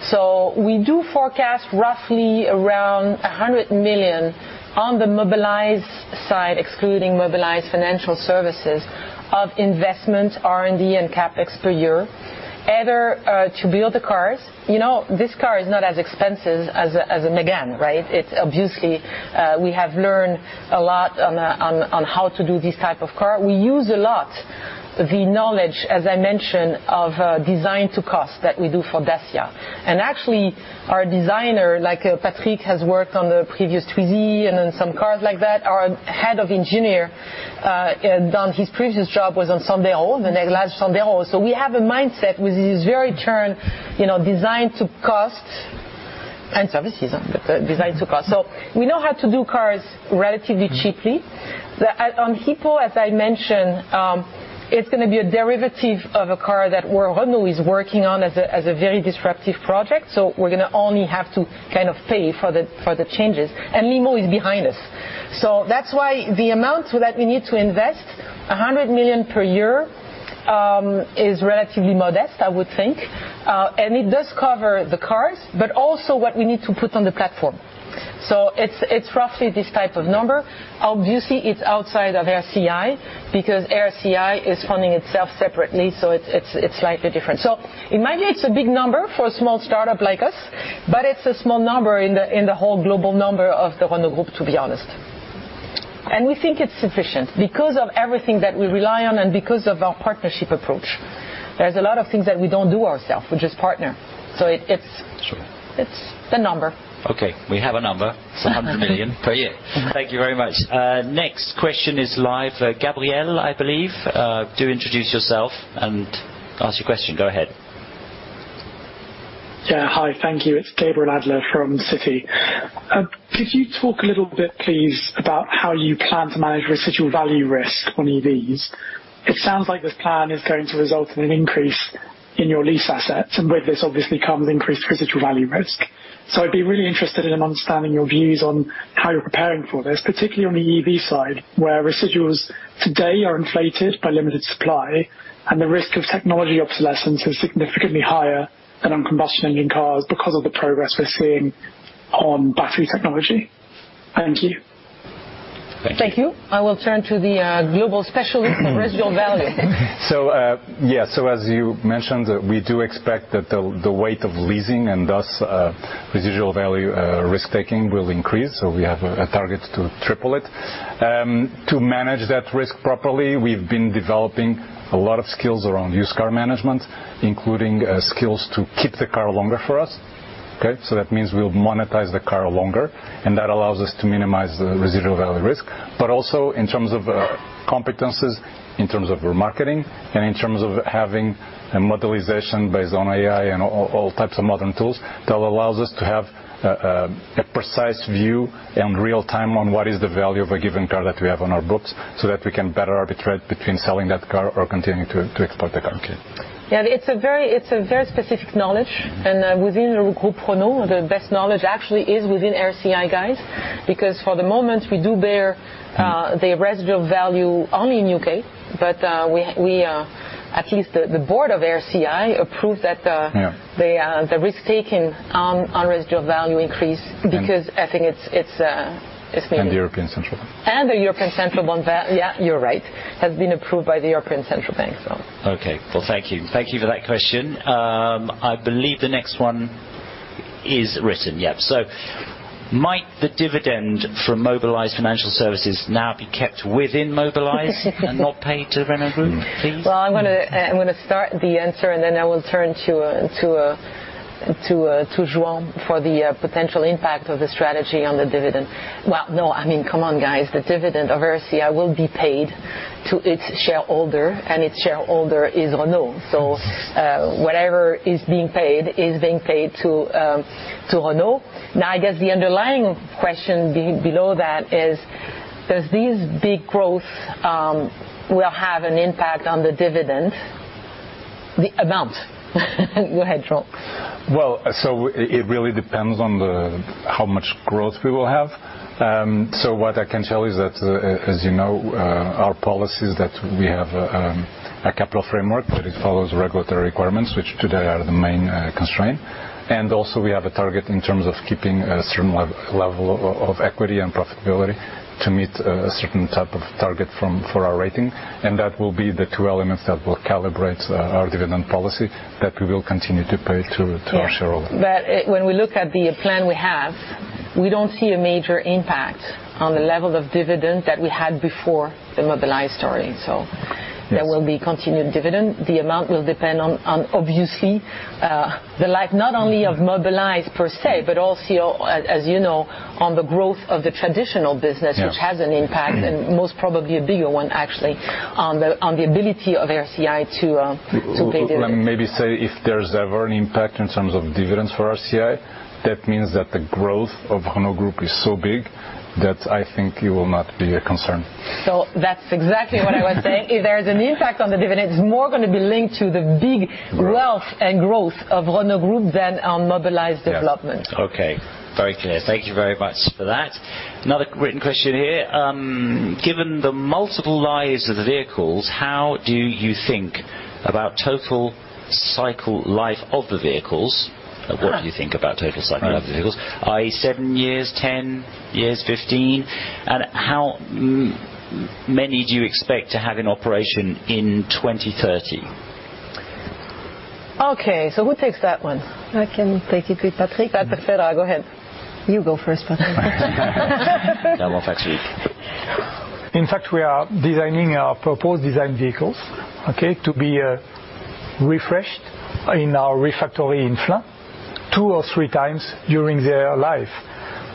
extensive. We do forecast roughly around 100 million on the Mobilize side, excluding Mobilize Financial Services of investment, R&D and CapEx per year. Either to build the cars. You know, this car is not as expensive as a Megane, right? It's obviously we have learned a lot on how to do this type of car. We use a lot the knowledge, as I mentioned, of design to cost that we do for Dacia. Actually, our designer, like Patrick, has worked on the previous Twizy and on some cars like that. Our head of engineering, his previous job was on Sandero, the next Sandero. We have a mindset with this very turn, you know, design to cost and services, but design to cost. We know how to do cars relatively cheaply. On HIPPO, as I mentioned, it's gonna be a derivative of a car that Renault is working on as a very disruptive project, so we're gonna only have to kind of pay for the changes. Limo is behind us. That's why the amount that we need to invest, 100 million per year, is relatively modest, I would think. It does cover the cars, but also what we need to put on the platform. It's roughly this type of number. Obviously, it's outside of RCI because RCI is funding itself separately, so it's slightly different. In my view, it's a big number for a small startup like us, but it's a small number in the whole global number of the Renault Group, to be honest. We think it's sufficient because of everything that we rely on and because of our partnership approach. There's a lot of things that we don't do ourselves. We just partner. Sure. It's the number. Okay, we have a number. It's 100 million per year. Thank you very much. Next question is live. Gabriel, I believe. Do introduce yourself and ask your question. Go ahead. Yeah, hi. Thank you. It's Gabriel Adler from Citi. Could you talk a little bit, please, about how you plan to manage residual value risk on EVs? It sounds like this plan is going to result in an increase in your lease assets, and with this obviously comes increased residual value risk. I'd be really interested in understanding your views on how you're preparing for this, particularly on the EV side, where residuals today are inflated by limited supply and the risk of technology obsolescence is significantly higher than on combustion engine cars because of the progress we're seeing on battery technology. Thank you. Thank you. Thank you. I will turn to the global specialist in residual value. As you mentioned, we do expect that the weight of leasing and thus residual value risk-taking will increase, so we have a target to triple it. To manage that risk properly, we've been developing a lot of skills around used car management, including skills to keep the car longer for us. Okay? That means we'll monetize the car longer, and that allows us to minimize the residual value risk. Also in terms of competences, in terms of remarketing, and in terms of having a modelization based on AI and all types of modern tools, that allows us to have a precise view in real time on what is the value of a given car that we have on our books, so that we can better arbitrate between selling that car or continuing to exploit the car. Yeah. It's a very specific knowledge. Within Renault Group, the best knowledge actually is within RCI guys, because for the moment, we do bear the residual value only in UK, but at least the board of RCI approved that. Yeah The risk taking on residual value increase because I think it's been. The European Central Bank. The European Central one that, yeah, you're right, has been approved by the European Central Bank, so. Okay. Well, thank you. Thank you for that question. I believe the next one is written. Might the dividend from Mobilize Financial Services now be kept within Mobilize and not paid to Renault Group, please? Well, I'm gonna start the answer, and then I will turn to João for the potential impact of the strategy on the dividend. Well, no, I mean, come on, guys. The dividend of RCI will be paid to its shareholder, and its shareholder is Renault. So, whatever is being paid is being paid to Renault. Now, I guess the underlying question below that is, does these big growth will have an impact on the dividend, the amount? Go ahead, João. It really depends on how much growth we will have. What I can tell is that, as you know, our policy is that we have a capital framework, but it follows regulatory requirements, which today are the main constraint. We also have a target in terms of keeping a certain level of equity and profitability to meet a certain type of target for our rating. That will be the two elements that will calibrate our dividend policy that we will continue to pay to our shareholders. when we look at the plan we have, we don't see a major impact on the level of dividend that we had before the Mobilize story. So Yes. There will be continued dividend. The amount will depend on obviously the life not only of Mobilize per se, but also, as you know, on the growth of the traditional business. Yes. which has an impact, and most probably a bigger one, actually, on the ability of RCI to pay dividends. Let me maybe say if there's ever an impact in terms of dividends for RCI, that means that the growth of Renault Group is so big that I think it will not be a concern. That's exactly what I was saying. If there is an impact on the dividends, it's more gonna be linked to the big wealth and growth of Renault Group than on Mobilize development. Yeah. Okay. Very clear. Thank you very much for that. Another written question here. Given the multiple lives of the vehicles, how do you think about total cycle life of the vehicles? Ah. What do you think about total cycle of the vehicles? Right. 7 years, 10 years, 15? How many do you expect to have in operation in 2030? Okay, who takes that one? I can take it with Patrick. Patrick, go ahead. You go first, Patrick. In fact, we are designing our proposed design vehicles, okay, to be refreshed in our Refactory in Flins two or three times during their life,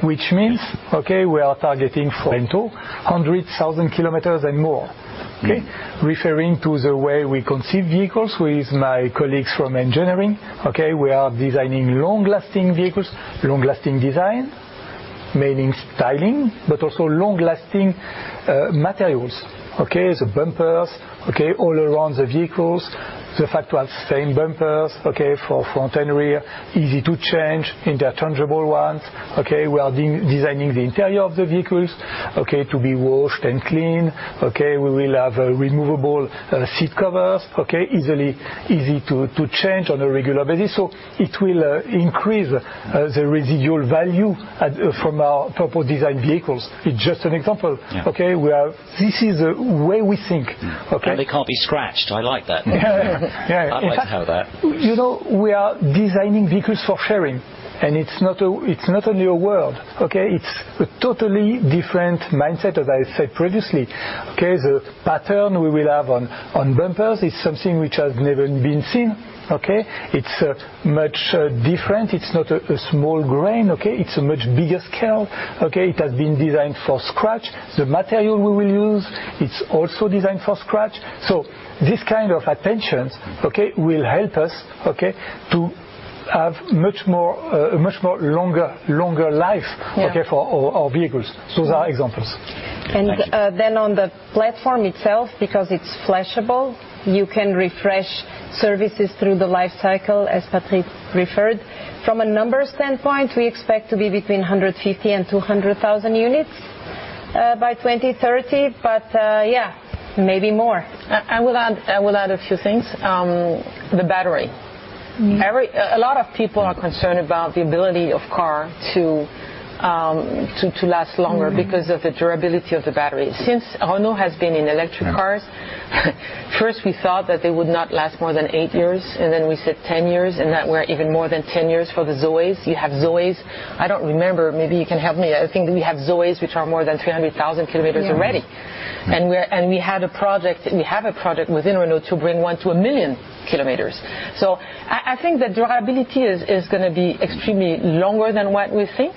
which means, okay, we are targeting for 200,000 kilometers and more. Okay? Referring to the way we conceive vehicles with my colleagues from engineering, okay, we are designing long-lasting vehicles, long-lasting design, meaning styling, but also long-lasting materials, okay? The bumpers, okay, all around the vehicles. The fact we have same bumpers, okay, for front and rear, easy to change. Interchangeable ones, okay. We are de-designing the interior of the vehicles, okay, to be washed and cleaned, okay. We will have removable seat covers, okay, easy to change on a regular basis. It will increase the residual value at, from our proposed design vehicles. It's just an example. Yeah. This is the way we think. Mm. Okay? They can't be scratched. I like that. Yeah. I'd like to have that. You know, we are designing vehicles for sharing, and it's not a new world, okay? It's a totally different mindset, as I said previously. Okay? The pattern we will have on bumpers is something which has never been seen. Okay? It's much different. It's not a small grain, okay? It's a much bigger scale, okay? It has been designed for scratch. The material we will use, it's also designed for scratch. This kind of attentions, okay, will help us, okay, to have much more longer life. Yeah. Okay, for our vehicles. Those are examples. Thank you. On the platform itself, because it's flashable, you can refresh services through the life cycle, as Patrick referred. From a numbers standpoint, we expect to be between 150 and 200 thousand units by 2030. Yeah, maybe more. I will add a few things. The battery. Mm. A lot of people are concerned about the ability of car to last longer. Mm. because of the durability of the battery. Since Renault has been in electric cars. Yeah. First, we thought that they would not last more than 8 years, and then we said 10 years, and that we're even more than 10 years for the ZOEs. You have ZOEs, I don't remember, maybe you can help me. I think we have ZOEs which are more than 300,000 km already. Yeah. We have a project within Renault to bring 1 to 1 million km. I think the durability is gonna be extremely longer than what we think.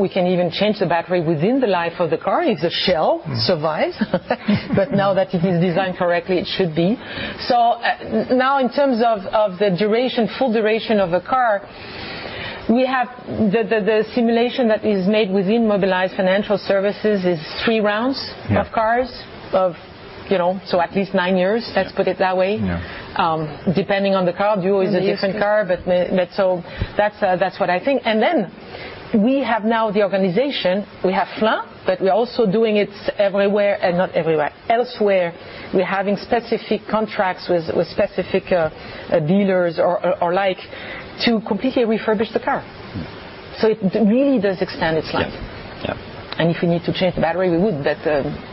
We can even change the battery within the life of the car if the shell survives. Mm. Now that it is designed correctly, it should be. Now in terms of the duration, full duration of a car, we have the simulation that is made within Mobilize Financial Services is three rounds- Yeah. of cars, you know, at least nine years. Yeah. Let's put it that way. Yeah. Depending on the car. Duo is a different car. Yes. That's what I think. We have now the organization, Flins, but we're also doing it everywhere, not everywhere. Elsewhere, we're having specific contracts with specific dealers or like to completely refurbish the car. Mm. It really does extend its life. Yeah. Yeah. If we need to change the battery, we would.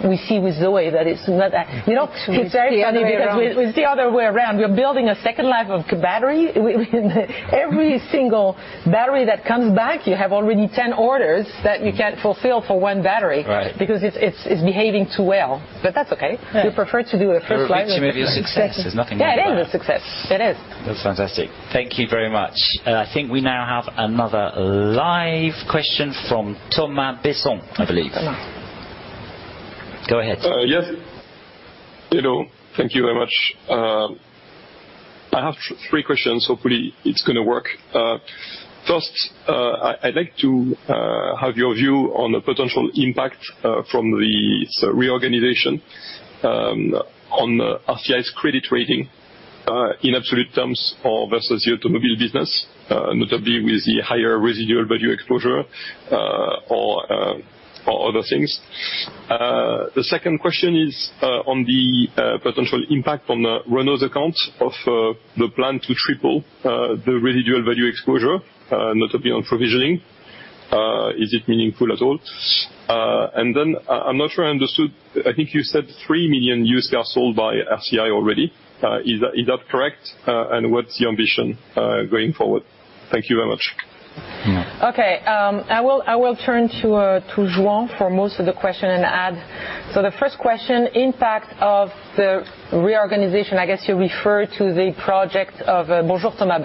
We see with ZOE that it's not that. You know, it's very funny. It's the other way around. Because it was the other way around. We are building a second life of battery. Every single battery that comes back, you have already 10 orders that you can't fulfill for 1 battery. Right. It's behaving too well. That's okay. Yeah. We prefer to do a first life. Very much maybe a success. There's nothing wrong with that. Yeah, it is a success. It is. That's fantastic. Thank you very much. I think we now have another live question from Thomas Besson, I believe. Thomas. Go ahead. Yes. Hello. Thank you very much. I have three questions. Hopefully, it's gonna work. First, I'd like to have your view on the potential impact from the reorganization. On RCI's credit rating in absolute terms or versus the automobile business, notably with the higher residual value exposure, or other things. The second question is on the potential impact on the Renault accounts of the plan to triple the residual value exposure, notably on provisioning. Is it meaningful at all? I'm not sure I understood. I think you said 3 million used cars sold by RCI already. Is that correct? What's the ambition going forward? Thank you very much. Yeah. Okay. I will turn to João for most of the question and add. The first question, impact of the reorganization. I guess you refer to the project of. Bonjour Thomas.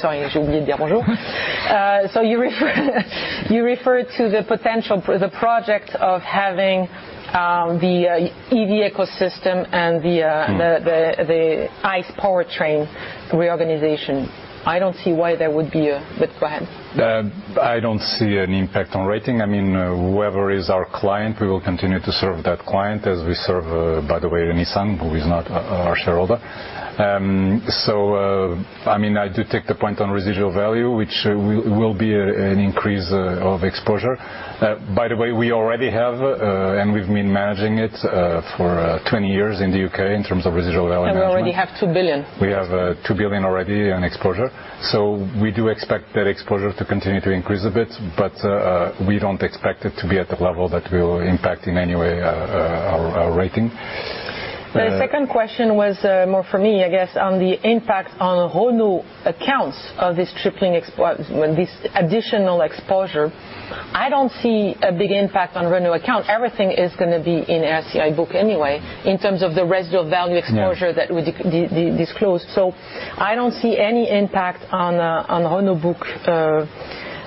Sorry, j'ai oublié de dire bonjour. You refer to the project of having, the EV ecosystem and the. Mm. The ICE powertrain reorganization. I don't see why there would be a. Go ahead. I don't see an impact on rating. I mean, whoever is our client, we will continue to serve that client as we serve, by the way, Nissan, who is not our shareholder. I mean, I do take the point on residual value, which will be an increase of exposure. By the way, we already have and we've been managing it for 20 years in the UK in terms of residual value management. We already have 2 billion. We have 2 billion already on exposure. We do expect that exposure to continue to increase a bit, but we don't expect it to be at the level that will impact in any way our rating. The second question was more for me, I guess, on the impact on Renault accounts of this tripling exposure when this additional exposure. I don't see a big impact on Renault account. Everything is gonna be in RCI book anyway in terms of the residual value exposure. Yeah. That we disclose. I don't see any impact on Renault book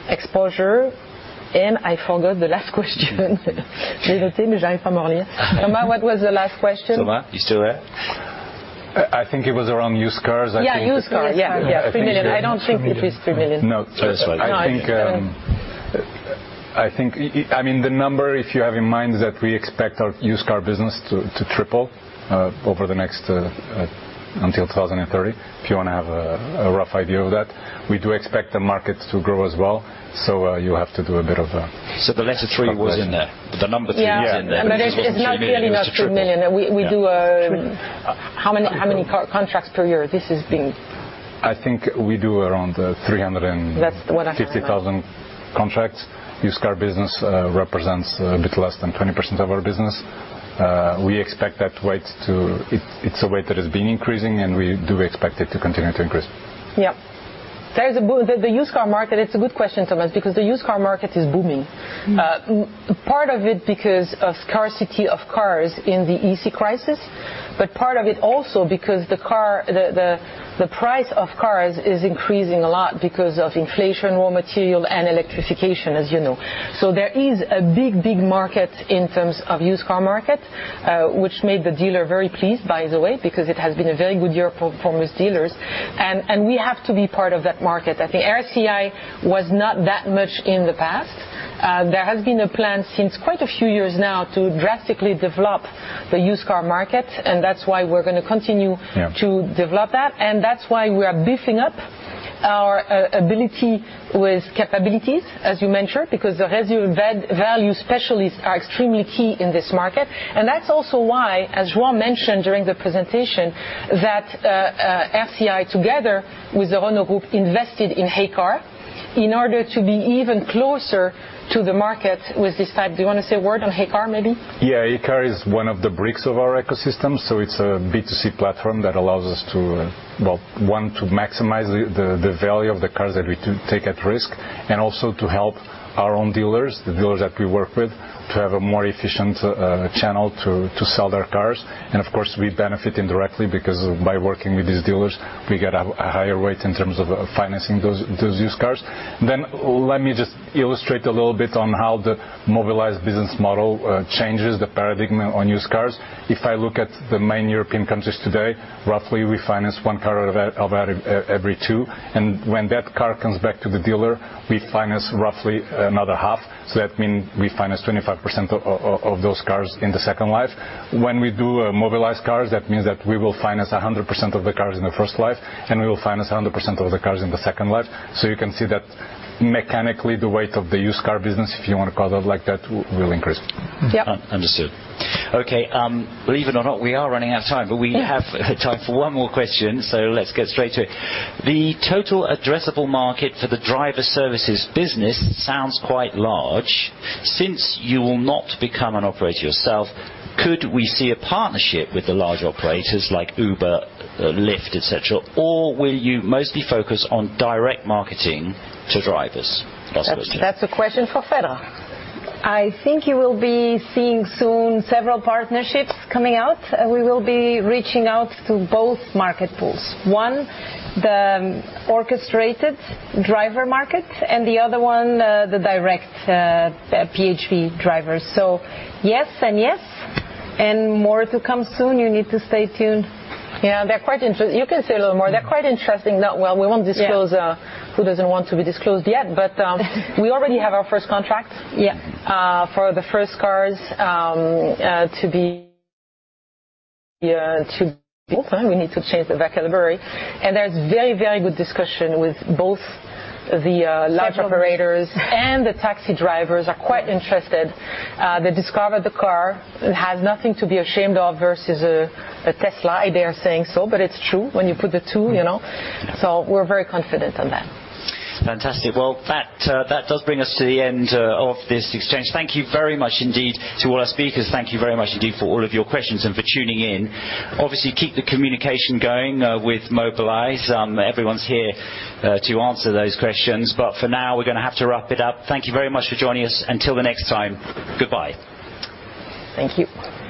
exposure. I forgot the last question. J'ai noté, mais j'arrive pas à me relire. Thomas, what was the last question? Thomas, you still there? I think it was around used cars. Yeah, used cars. Used cars. Yeah, yeah. 3 million. I don't think it is 3 million. No. That's right. No, I think. I think, I mean, the number, if you have in mind that we expect our used car business to triple over the next until 2030, if you wanna have a rough idea of that. We do expect the market to grow as well. You have to do a bit of The letter three was in there. Of course. The number three was in there. Yeah. Yeah. It's not really about 3 million. It was the 3 million. We do a- Yeah. 3. How many car contracts per year? This is being. I think we do around 300. That's what I thought. 50,000 contracts. Used car business represents a bit less than 20% of our business. It's a weight that has been increasing, and we do expect it to continue to increase. The used car market, it's a good question, Thomas, because the used car market is booming. Mm. Part of it because of scarcity of cars in the chip crisis, but part of it also because the price of cars is increasing a lot because of inflation, raw material and electrification, as you know. There is a big market in terms of used car market, which made the dealer very pleased, by the way, because it has been a very good year for most dealers. We have to be part of that market. I think RCI was not that much in the past. There has been a plan since quite a few years now to drastically develop the used car market, and that's why we're gonna continue. Yeah. to develop that. That's why we are beefing up our ability with capabilities, as you mentioned, because the residual value specialists are extremely key in this market. That's also why, as João mentioned during the presentation, that RCI, together with the Renault Group, invested in heycar in order to be even closer to the market with this type. Do you want to say a word on heycar maybe? Yeah. Heycar is one of the bricks of our ecosystem, so it's a B2C platform that allows us to, well, one, to maximize the value of the cars that we take at risk, and also to help our own dealers, the dealers that we work with, to have a more efficient channel to sell their cars. Of course, we benefit indirectly because by working with these dealers, we get a higher rate in terms of financing those used cars. Let me just illustrate a little bit on how the Mobilize business model changes the paradigm on used cars. If I look at the main European countries today, roughly we finance one car out of every two, and when that car comes back to the dealer, we finance roughly another half. That means we finance 25% of those cars in the second life. When we do Mobilize cars, that means that we will finance 100% of the cars in the first life, and we will finance 100% of the cars in the second life. So you can see that mechanically, the weight of the used car business, if you want to call it like that, will increase. Yep. Understood. Okay, believe it or not, we are running out of time, but we have time for one more question, so let's get straight to it. The total addressable market for the driver services business sounds quite large. Since you will not become an operator yourself, could we see a partnership with the large operators like Uber, Lyft, et cetera, or will you mostly focus on direct marketing to drivers? Last question. That's a question for Federica. I think you will be seeing soon several partnerships coming out. We will be reaching out to both market pools. One, the orchestrated driver market, and the other one, the direct, PHV drivers. Yes and yes, and more to come soon. You need to stay tuned. You can say a little more. They're quite interesting. Not well- Yeah. We won't disclose who doesn't want to be disclosed yet, but we already have our first contract. Yeah. For the first cars to be opened. We need to change the vocabulary. There's very, very good discussion with both the large operators. Several meetings. The taxi drivers are quite interested. They discovered the car. It has nothing to be ashamed of versus a Tesla. They are saying so, but it's true when you put the two, you know. We're very confident on that. Fantastic. Well, that does bring us to the end of this exchange. Thank you very much indeed to all our speakers. Thank you very much indeed for all of your questions and for tuning in. Obviously, keep the communication going with Mobilize. Everyone's here to answer those questions. For now, we're gonna have to wrap it up. Thank you very much for joining us. Until the next time, goodbye. Thank you.